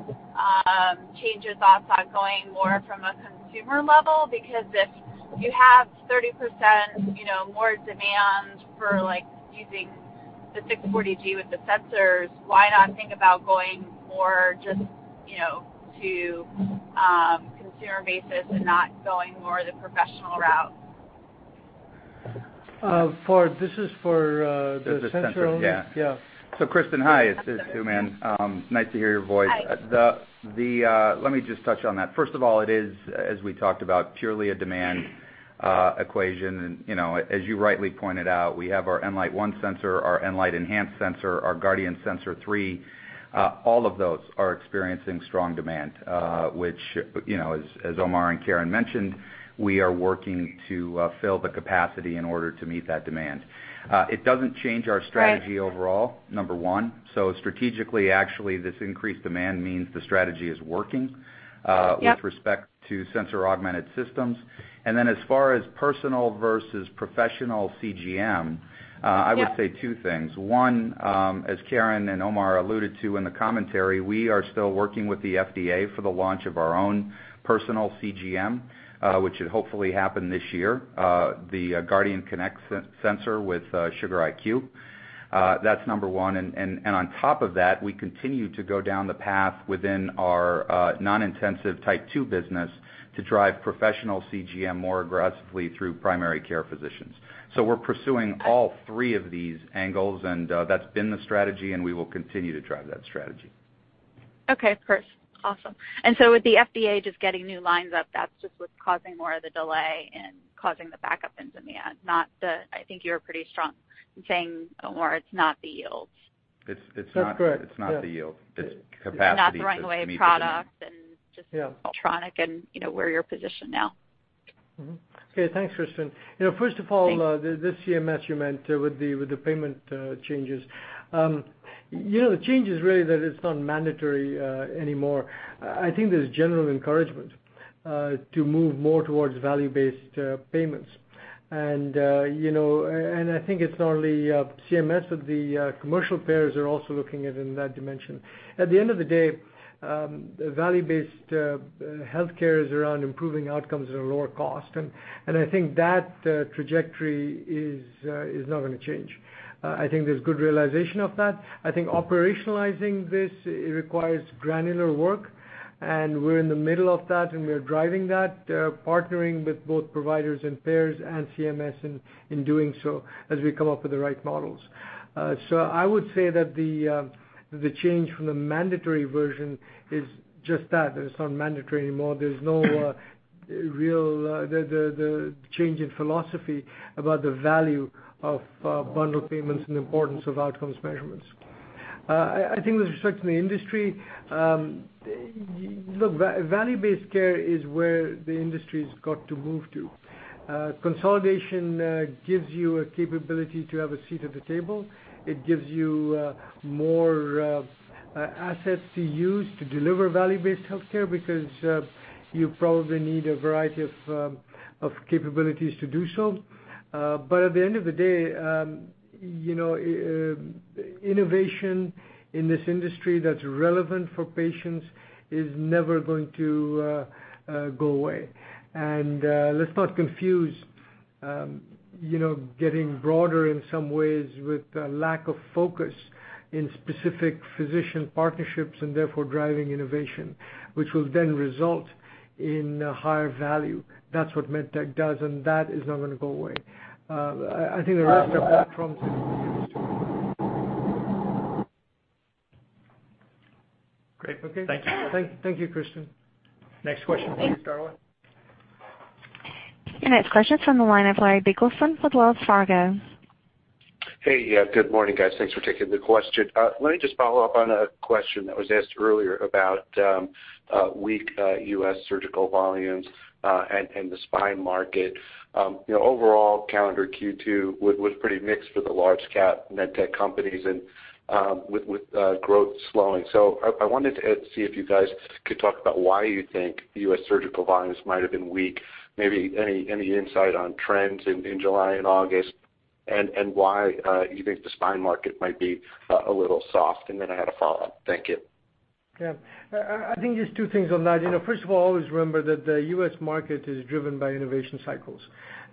change your thoughts on going more from a consumer level? If you have 30% more demand for using the 640G with the sensors, why not think about going more just to consumer basis and not going more the professional route? This is for the sensor only? The sensor, yeah. Yeah. Kristen, hi, it's Hooman. Nice to hear your voice. Hi. Let me just touch on that. First of all, it is, as we talked about, purely a demand equation, and as you rightly pointed out, we have our Enlite 1 sensor, our Enhanced Enlite sensor, our Guardian Sensor 3. All of those are experiencing strong demand, which, as Omar and Karen mentioned, we are working to fill the capacity in order to meet that demand. It doesn't change our strategy overall. Right number one. Strategically, actually, this increased demand means the strategy is working. Yep with respect to sensor augmented systems. As far as personal versus professional CGM. Yeah I would say two things. One, as Karen and Omar alluded to in the commentary, we are still working with the FDA for the launch of our own personal CGM, which should hopefully happen this year. The Guardian Connect sensor with Sugar.IQ. That's number one. On top of that, we continue to go down the path within our non-intensive type 2 business to drive professional CGM more aggressively through primary care physicians. We're pursuing all three of these angles, and that's been the strategy, and we will continue to drive that strategy. Okay. Of course. Awesome. With the FDA just getting new lines up, that's just what's causing more of the delay and causing the backup in Diabetes. I think you're pretty strong in saying, Omar, it's not the yields. That's correct. Yeah. It's not the yield. It's capacity. It's not throwing away product and just. Yeah Medtronic and where you're positioned now. Okay. Thanks, Kristen. First of all. Thanks The CMS you meant with the payment changes. The change is really that it's not mandatory anymore. I think there's general encouragement to move more towards value-based payments. I think it's not only CMS, but the commercial payers are also looking at it in that dimension. At the end of the day, value-based healthcare is around improving outcomes at a lower cost, and I think that trajectory is not going to change. I think there's good realization of that. I think operationalizing this requires granular work, and we're in the middle of that, and we are driving that, partnering with both providers and payers and CMS in doing so as we come up with the right models. I would say that the change from the mandatory version is just that it's not mandatory anymore. There's no real change in philosophy about the value of bundled payments and the importance of outcomes measurements. I think with respect to the industry, look, value-based care is where the industry's got to move to. Consolidation gives you a capability to have a seat at the table. It gives you more assets to use to deliver value-based healthcare because you probably need a variety of capabilities to do so. At the end of the day, innovation in this industry that's relevant for patients is never going to go away. Let's not confuse getting broader in some ways with a lack of focus in specific physician partnerships, and therefore driving innovation, which will then result in higher value. That's what MedTech does, and that is not going to go away. I think the rest of that comes into play as well. Great. Thank you. Thank you, Kristen. Thanks. Next question, please, Darla. Your next question is from the line of Larry Biegelsen with Wells Fargo. Hey. Yeah, good morning, guys. Thanks for taking the question. Let me just follow up on a question that was asked earlier about weak U.S. surgical volumes and the spine market. Overall calendar Q2 was pretty mixed for the large cap MedTech companies and with growth slowing. I wanted to see if you guys could talk about why you think U.S. surgical volumes might've been weak, maybe any insight on trends in July and August, and why you think the spine market might be a little soft. I had a follow-up. Thank you. Yeah. I think there's two things on that. First of all, always remember that the U.S. market is driven by innovation cycles.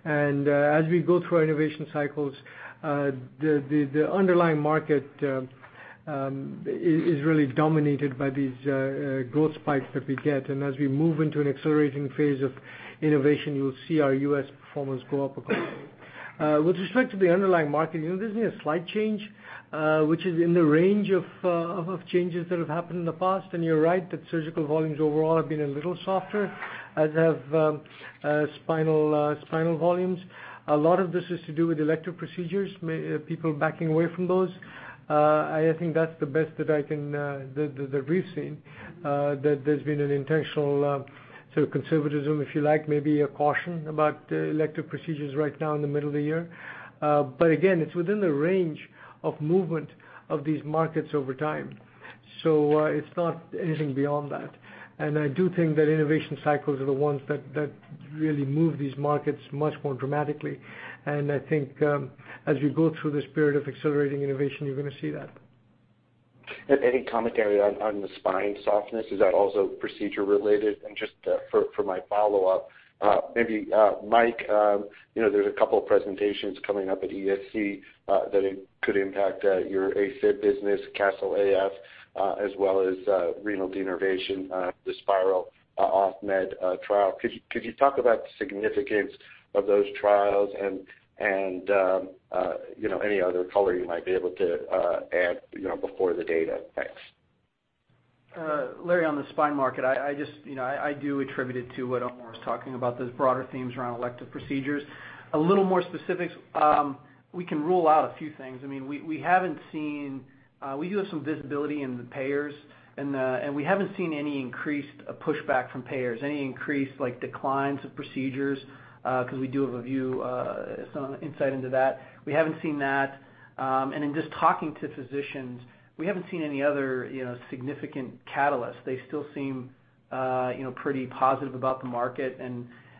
As we go through our innovation cycles, the underlying market is really dominated by these growth spikes that we get. As we move into an accelerating phase of innovation, you'll see our U.S. performance go up accordingly. With respect to the underlying market, there's been a slight change, which is in the range of changes that have happened in the past, and you're right that surgical volumes overall have been a little softer, as have spinal volumes. A lot of this has to do with elective procedures, people backing away from those. I think that's the best that we've seen, that there's been an intentional sort of conservatism, if you like, maybe a caution about elective procedures right now in the middle of the year. Again, it's within the range of movement of these markets over time. It's not anything beyond that. I do think that innovation cycles are the ones that really move these markets much more dramatically. I think as we go through this period of accelerating innovation, you're going to see that. Any commentary on the spine softness? Is that also procedure related? Just for my follow-up, maybe Mike, there's a couple of presentations coming up at ESC that could impact your AFib business, CASTLE-AF as well as renal denervation, the SPYRAL HTN-OFF MED trial. Could you talk about the significance of those trials and any other color you might be able to add before the data? Thanks. Larry, on the spine market, I do attribute it to what Omar was talking about, those broader themes around elective procedures. A little more specifics, we can rule out a few things. We do have some visibility in the payers, and we haven't seen any increased pushback from payers, any increased declines of procedures, because we do have a view, some insight into that. We haven't seen that. In just talking to physicians, we haven't seen any other significant catalyst. They still seem pretty positive about the market.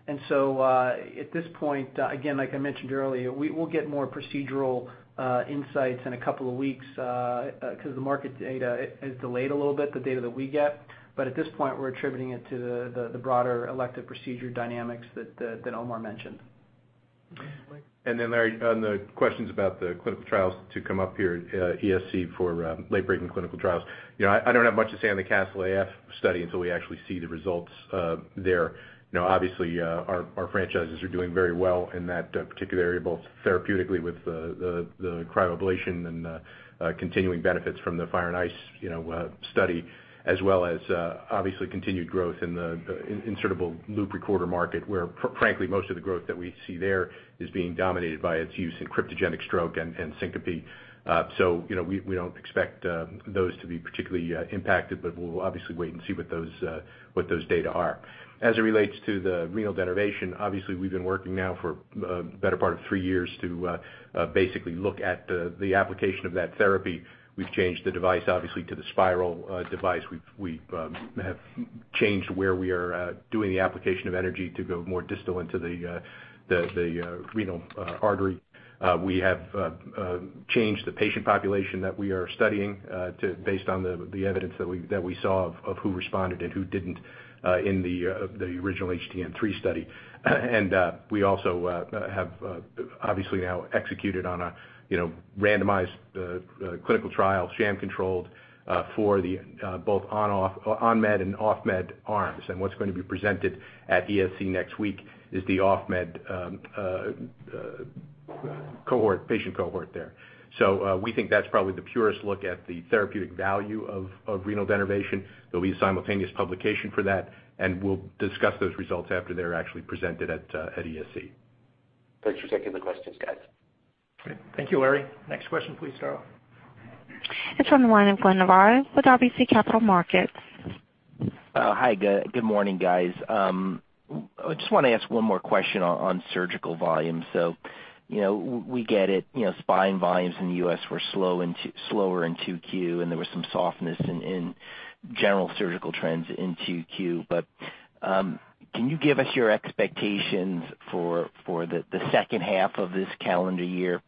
At this point, again, like I mentioned earlier, we'll get more procedural insights in a couple of weeks because the market data is delayed a little bit, the data that we get. At this point, we're attributing it to the broader elective procedure dynamics that Omar mentioned. Larry, on the questions about the clinical trials to come up here, ESC for late-breaking clinical trials. I don't have much to say on the CASTLE-AF study until we actually see the results there. Obviously, our franchises are doing very well in that particular area, both therapeutically with the cryoablation and the continuing benefits from the FIRE AND ICE study as well as obviously continued growth in the insertable loop recorder market, where frankly, most of the growth that we see there is being dominated by its use in cryptogenic stroke and syncope. We don't expect those to be particularly impacted, but we'll obviously wait and see what those data are. As it relates to the renal denervation, obviously we've been working now for the better part of three years to basically look at the application of that therapy. We've changed the device, obviously, to the Spyral device. We have changed where we are doing the application of energy to go more distal into the renal artery. We have changed the patient population that we are studying based on the evidence that we saw of who responded and who didn't in the original HTN-3 study. We also have obviously now executed on a randomized clinical trial, sham controlled, for both on med and off med arms. What's going to be presented at ESC next week is the off med patient cohort there. We think that's probably the purest look at the therapeutic value of renal denervation. There'll be a simultaneous publication for that, and we'll discuss those results after they're actually presented at ESC. Thanks for taking the questions, guys. Okay. Thank you, Larry. Next question please, Sarah. It's from Glenn de Varro with RBC Capital Markets. Hi, good morning, guys. I just want to ask one more question on surgical volume. We get it, spine volumes in the U.S. were slower in 2Q, and there was some softness in general surgical trends in 2Q. Can you give us your expectations for the second half of this calendar year?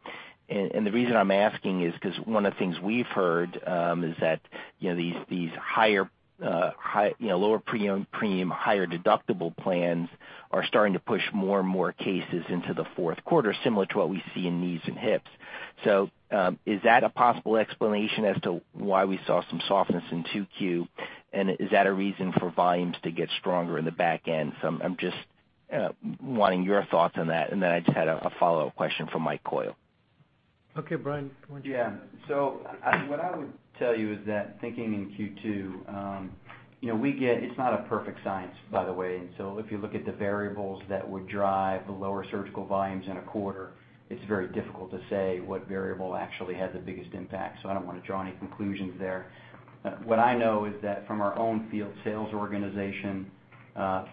The reason I'm asking is because one of the things we've heard is that these lower premium, higher deductible plans are starting to push more and more cases into the fourth quarter, similar to what we see in knees and hips. Is that a possible explanation as to why we saw some softness in 2Q, and is that a reason for volumes to get stronger in the back end? I'm just wanting your thoughts on that, and then I just had a follow-up question for Mike Coyle. Okay, Bryan. What I would tell you is that thinking in Q2, it's not a perfect science, by the way. If you look at the variables that would drive the lower surgical volumes in a quarter, it's very difficult to say what variable actually had the biggest impact. I don't want to draw any conclusions there. What I know is that from our own field sales organization,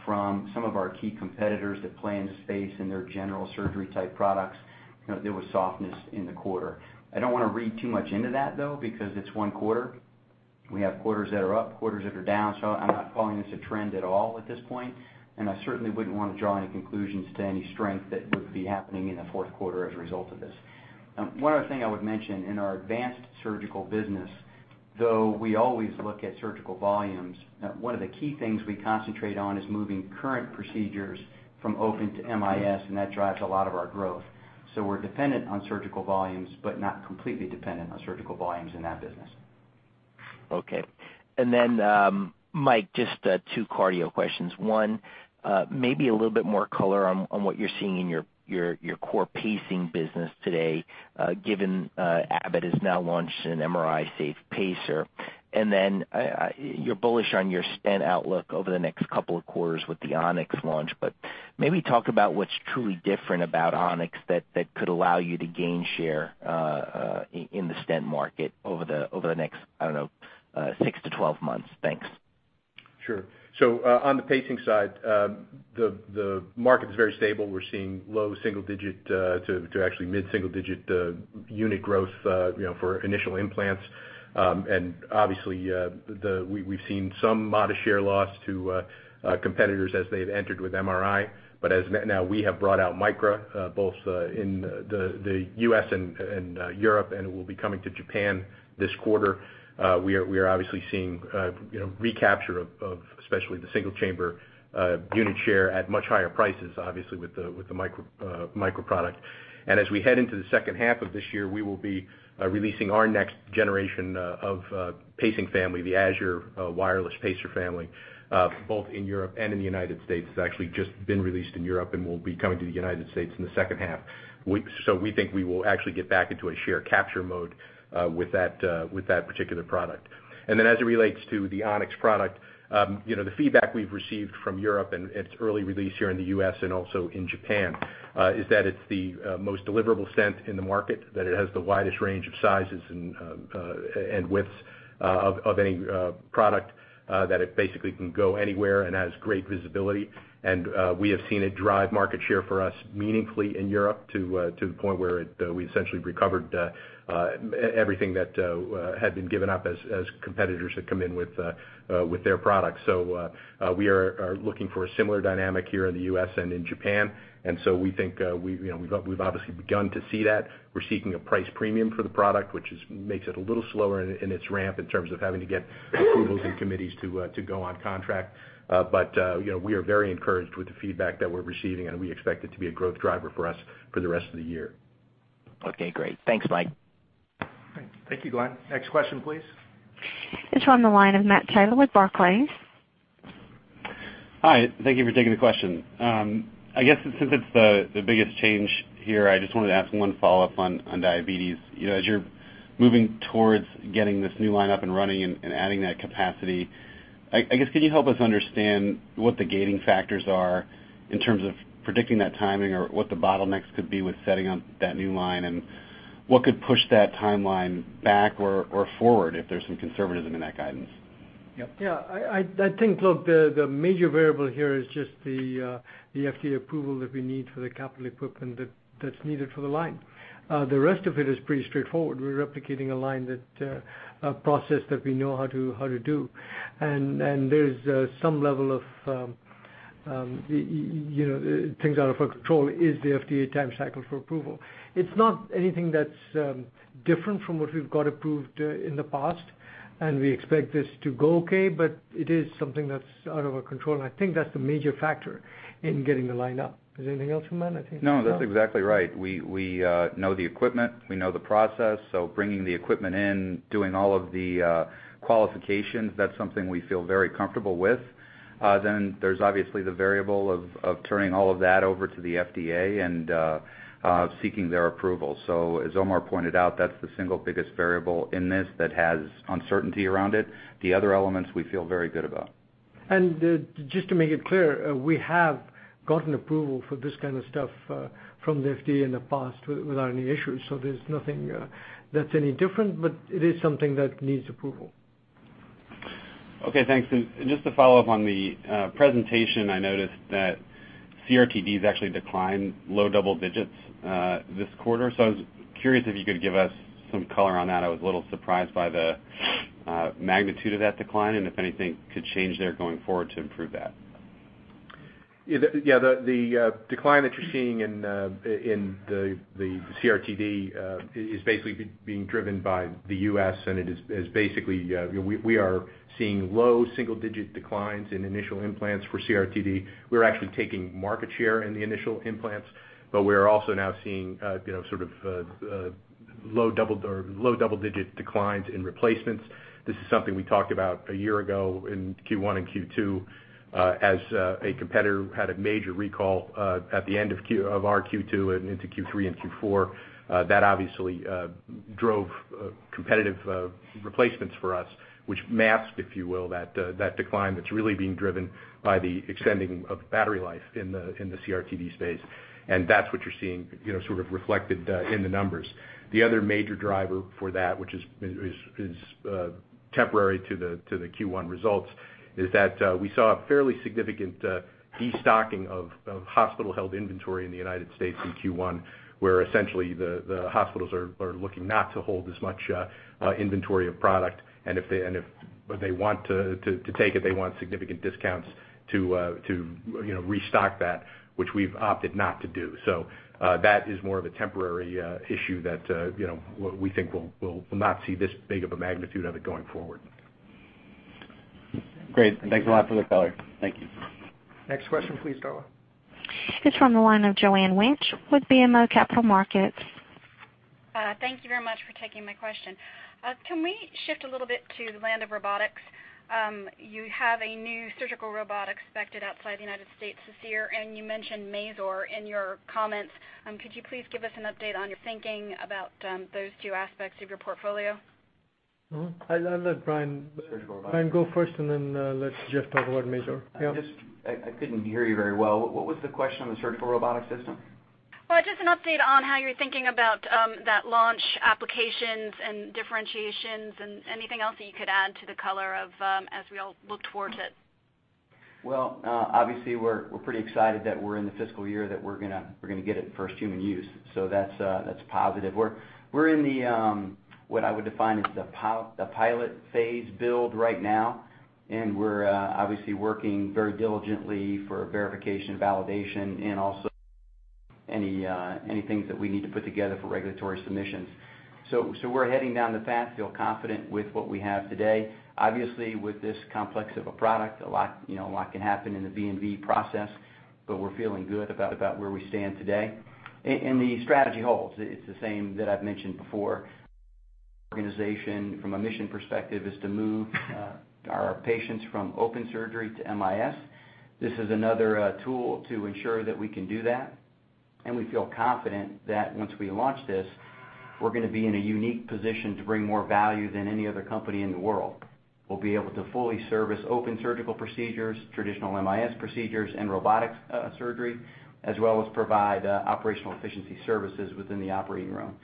from some of our key competitors that play in the space in their general surgery type products, there was softness in the quarter. I don't want to read too much into that, though, because it's one quarter. We have quarters that are up, quarters that are down. I'm not calling this a trend at all at this point, and I certainly wouldn't want to draw any conclusions to any strength that would be happening in the fourth quarter as a result of this. One other thing I would mention, in our advanced surgical business, though we always look at surgical volumes, one of the key things we concentrate on is moving current procedures from open to MIS, and that drives a lot of our growth. We're dependent on surgical volumes, but not completely dependent on surgical volumes in that business. Okay. Mike, just two cardio questions. One, maybe a little bit more color on what you're seeing in your core pacing business today, given Abbott has now launched an MRI safe pacer. You're bullish on your stent outlook over the next couple of quarters with the ONYX launch. Maybe talk about what's truly different about ONYX that could allow you to gain share in the stent market over the next 6-12 months. Thanks. Sure. On the pacing side, the market is very stable. We're seeing low single-digit to actually mid-single-digit unit growth for initial implants. Obviously, we've seen some modest share loss to competitors as they've entered with MRI. As now we have brought out Micra, both in the U.S. and Europe, and it will be coming to Japan this quarter, we are obviously seeing recapture of especially the single chamber unit share at much higher prices, obviously with the Micra product. As we head into the second half of this year, we will be releasing our next generation of pacing family, the Azure wireless pacer family, both in Europe and in the U.S. It's actually just been released in Europe and will be coming to the U.S. in the second half. We think we will actually get back into a share capture mode with that particular product. As it relates to the Onyx product, the feedback we've received from Europe and its early release here in the U.S. and also in Japan is that it's the most deliverable stent in the market, that it has the widest range of sizes and widths of any product, that it basically can go anywhere and has great visibility. We have seen it drive market share for us meaningfully in Europe to the point where we essentially recovered everything that had been given up as competitors had come in with their products. We are looking for a similar dynamic here in the U.S. and in Japan. We think we've obviously begun to see that. We're seeking a price premium for the product, which makes it a little slower in its ramp in terms of having to get approvals and committees to go on contract. We are very encouraged with the feedback that we're receiving, and we expect it to be a growth driver for us for the rest of the year. Okay, great. Thanks, Mike. Thank you, Glenn. Next question, please. It's from the line of Matt Taylor with Barclays. Hi. Thank you for taking the question. I guess since it's the biggest change here, I just wanted to ask one follow-up on Diabetes. As you're moving towards getting this new line up and running and adding that capacity, I guess, can you help us understand what the gating factors are in terms of predicting that timing or what the bottlenecks could be with setting up that new line? What could push that timeline back or forward if there's some conservatism in that guidance? Yep. Yeah, I think, look, the major variable here is just the FDA approval that we need for the capital equipment that's needed for the line. The rest of it is pretty straightforward. We're replicating a line, a process that we know how to do. There's some level of things out of our control is the FDA time cycle for approval. It's not anything that's different from what we've got approved in the past, and we expect this to go okay, but it is something that's out of our control, and I think that's the major factor in getting the line up. Is there anything else, Omar? No, that's exactly right. We know the equipment, we know the process, bringing the equipment in, doing all of the qualifications, that's something we feel very comfortable with. There's obviously the variable of turning all of that over to the FDA and seeking their approval. As Omar pointed out, that's the single biggest variable in this that has uncertainty around it. The other elements we feel very good about. Just to make it clear, we have gotten approval for this kind of stuff from the FDA in the past without any issues, there's nothing that's any different, it is something that needs approval. Okay, thanks. Just to follow up on the presentation, I noticed that CRT-Ds actually declined low double-digits this quarter. I was curious if you could give us some color on that. I was a little surprised by the magnitude of that decline, if anything could change there going forward to improve that. Yeah. The decline that you're seeing in the CRT-D is basically being driven by the U.S. it is basically we are seeing low single-digit declines in initial implants for CRT-D. We're actually taking market share in the initial implants, we're also now seeing sort of low double-digit declines in replacements. This is something we talked about a year ago in Q1 and Q2, as a competitor who had a major recall at the end of our Q2 and into Q3 and Q4. That obviously drove competitive replacements for us, which masked, if you will, that decline that's really being driven by the extending of battery life in the CRT-D space. That's what you're seeing sort of reflected in the numbers. The other major driver for that, which is temporary to the Q1 results, is that we saw a fairly significant de-stocking of hospital-held inventory in the U.S. in Q1, where essentially the hospitals are looking not to hold as much inventory of product. If they want to take it, they want significant discounts to restock that, which we've opted not to do. That is more of a temporary issue that we think we'll not see this big of a magnitude of it going forward. Great. Thanks a lot for the color. Thank you. Next question please, Darla. It's from the line of Joanne Wuensch with BMO Capital Markets. Thank you very much for taking my question. Can we shift a little bit to the land of robotics? You have a new surgical robot expected outside the United States this year, and you mentioned Mazor in your comments. Could you please give us an update on your thinking about those two aspects of your portfolio? I'll let Bryan- Surgical robotics Bryan go first, and then let Geoff talk about Mazor. Yeah. I couldn't hear you very well. What was the question on the surgical robotic system? Well, just an update on how you're thinking about that launch applications and differentiations and anything else that you could add to the color as we all look towards it. Well, obviously we're pretty excited that we're in the fiscal year that we're going to get it first human use. That's positive. We're in the what I would define as the pilot phase build right now, and we're obviously working very diligently for verification, validation, and also any things that we need to put together for regulatory submissions. We're heading down the path, feel confident with what we have today. Obviously, with this complex of a product, a lot can happen in the V&V process, but we're feeling good about where we stand today. The strategy holds. It's the same that I've mentioned before. Our organization from a mission perspective is to move our patients from open surgery to MIS. This is another tool to ensure that we can do that, and we feel confident that once we launch this, we're going to be in a unique position to bring more value than any other company in the world. We'll be able to fully service open surgical procedures, traditional MIS procedures, and robotic surgery, as well as provide operational efficiency services within the operating room.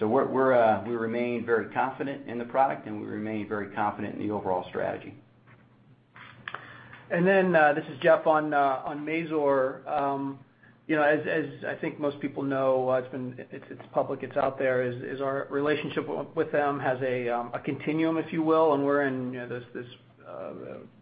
We remain very confident in the product, and we remain very confident in the overall strategy. This is Geoff on Mazor. As I think most people know, it's public, it's out there, our relationship with them has a continuum, if you will, and we're in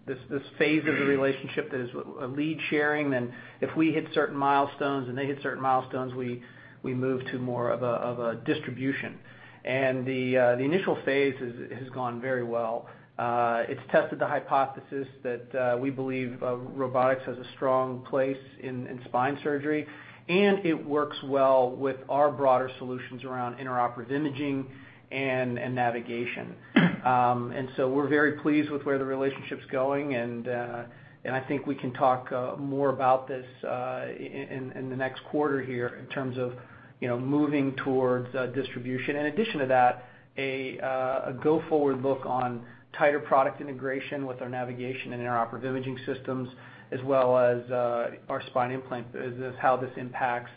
this phase of the relationship that is lead sharing. If we hit certain milestones and they hit certain milestones, we move to more of a distribution. The initial phase has gone very well. It's tested the hypothesis that we believe robotics has a strong place in spine surgery, and it works well with our broader solutions around intraoperative imaging and navigation. We're very pleased with where the relationship's going, and I think we can talk more about this in the next quarter here in terms of moving towards distribution. In addition to that, a go-forward look on tighter product integration with our navigation and intraoperative imaging systems, as well as our spine implant, how this impacts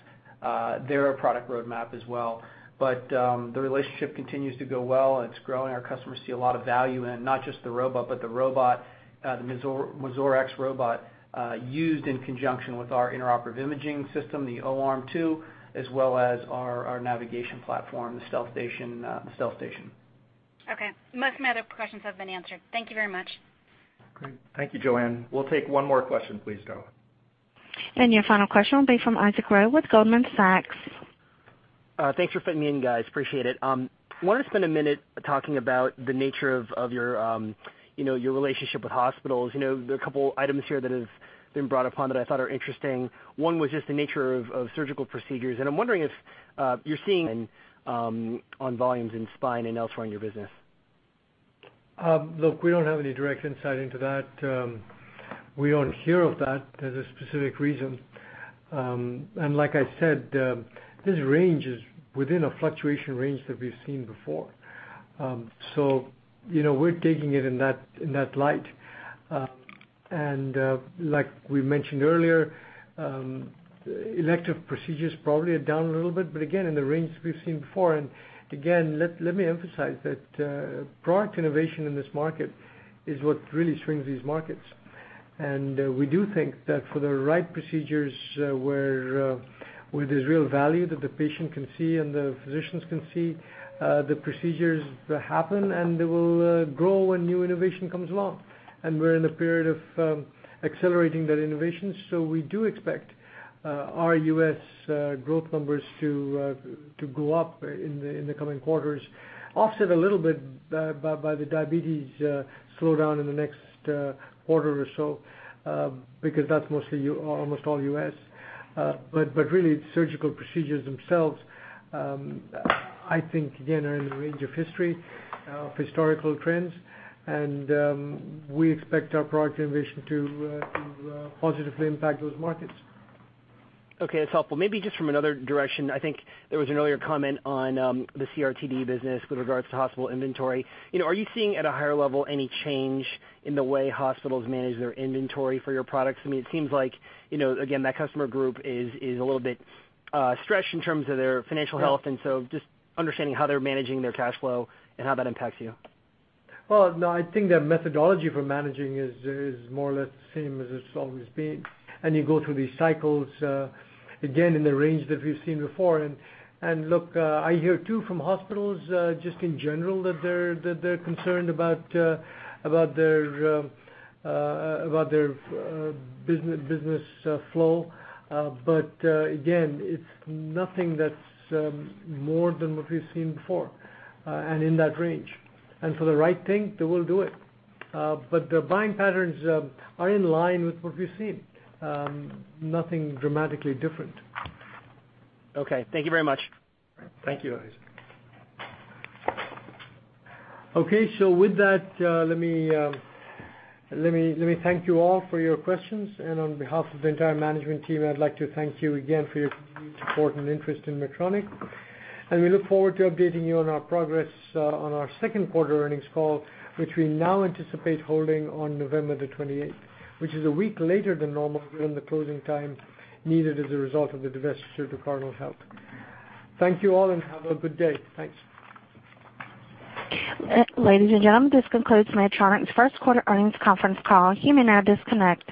their product roadmap as well. The relationship continues to go well. It's growing. Our customers see a lot of value in it, not just the robot, but the Mazor X robot used in conjunction with our intraoperative imaging system, the O-arm 2, as well as our navigation platform, the StealthStation. Okay. Most of my other questions have been answered. Thank you very much. Great. Thank you, Joanne. We'll take one more question, please, Jo. Your final question will be from Isaac Ro with Goldman Sachs. Thanks for fitting me in, guys. Appreciate it. I want to spend a minute talking about the nature of your relationship with hospitals. There are a couple items here that have been brought upon that I thought are interesting. One was just the nature of surgical procedures, and I'm wondering if you're seeing on volumes in spine and elsewhere in your business. Look, we don't have any direct insight into that. We don't hear of that as a specific reason. Like I said, this range is within a fluctuation range that we've seen before. We're taking it in that light. Like we mentioned earlier, elective procedures probably are down a little bit, but again, in the range that we've seen before. Again, let me emphasize that product innovation in this market is what really swings these markets. We do think that for the right procedures where there's real value that the patient can see and the physicians can see, the procedures happen, and they will grow when new innovation comes along. We're in a period of accelerating that innovation, we do expect our U.S. growth numbers to go up in the coming quarters. Offset a little bit by the Diabetes slowdown in the next quarter or so because that's almost all U.S. Really, surgical procedures themselves, I think again, are in the range of history, of historical trends, we expect our product innovation to positively impact those markets. Okay. That's helpful. Maybe just from another direction, I think there was an earlier comment on the CRT-D business with regards to hospital inventory. Are you seeing at a higher level any change in the way hospitals manage their inventory for your products? I mean, it seems like, again, that customer group is a little bit stretched in terms of their financial health, just understanding how they're managing their cash flow and how that impacts you. Well, no, I think their methodology for managing is more or less the same as it's always been. You go through these cycles, again, in the range that we've seen before. Look, I hear too from hospitals just in general that they're concerned about their business flow. Again, it's nothing that's more than what we've seen before, and in that range. For the right thing, they will do it. Their buying patterns are in line with what we've seen. Nothing dramatically different. Okay. Thank you very much. Thank you, Isaac. With that, let me thank you all for your questions. On behalf of the entire management team, I'd like to thank you again for your continued support and interest in Medtronic. We look forward to updating you on our progress on our second quarter earnings call, which we now anticipate holding on November the 28th, which is a week later than normal given the closing time needed as a result of the divestiture to Cardinal Health. Thank you all, have a good day. Thanks. Ladies and gentlemen, this concludes Medtronic's first quarter earnings conference call. You may now disconnect.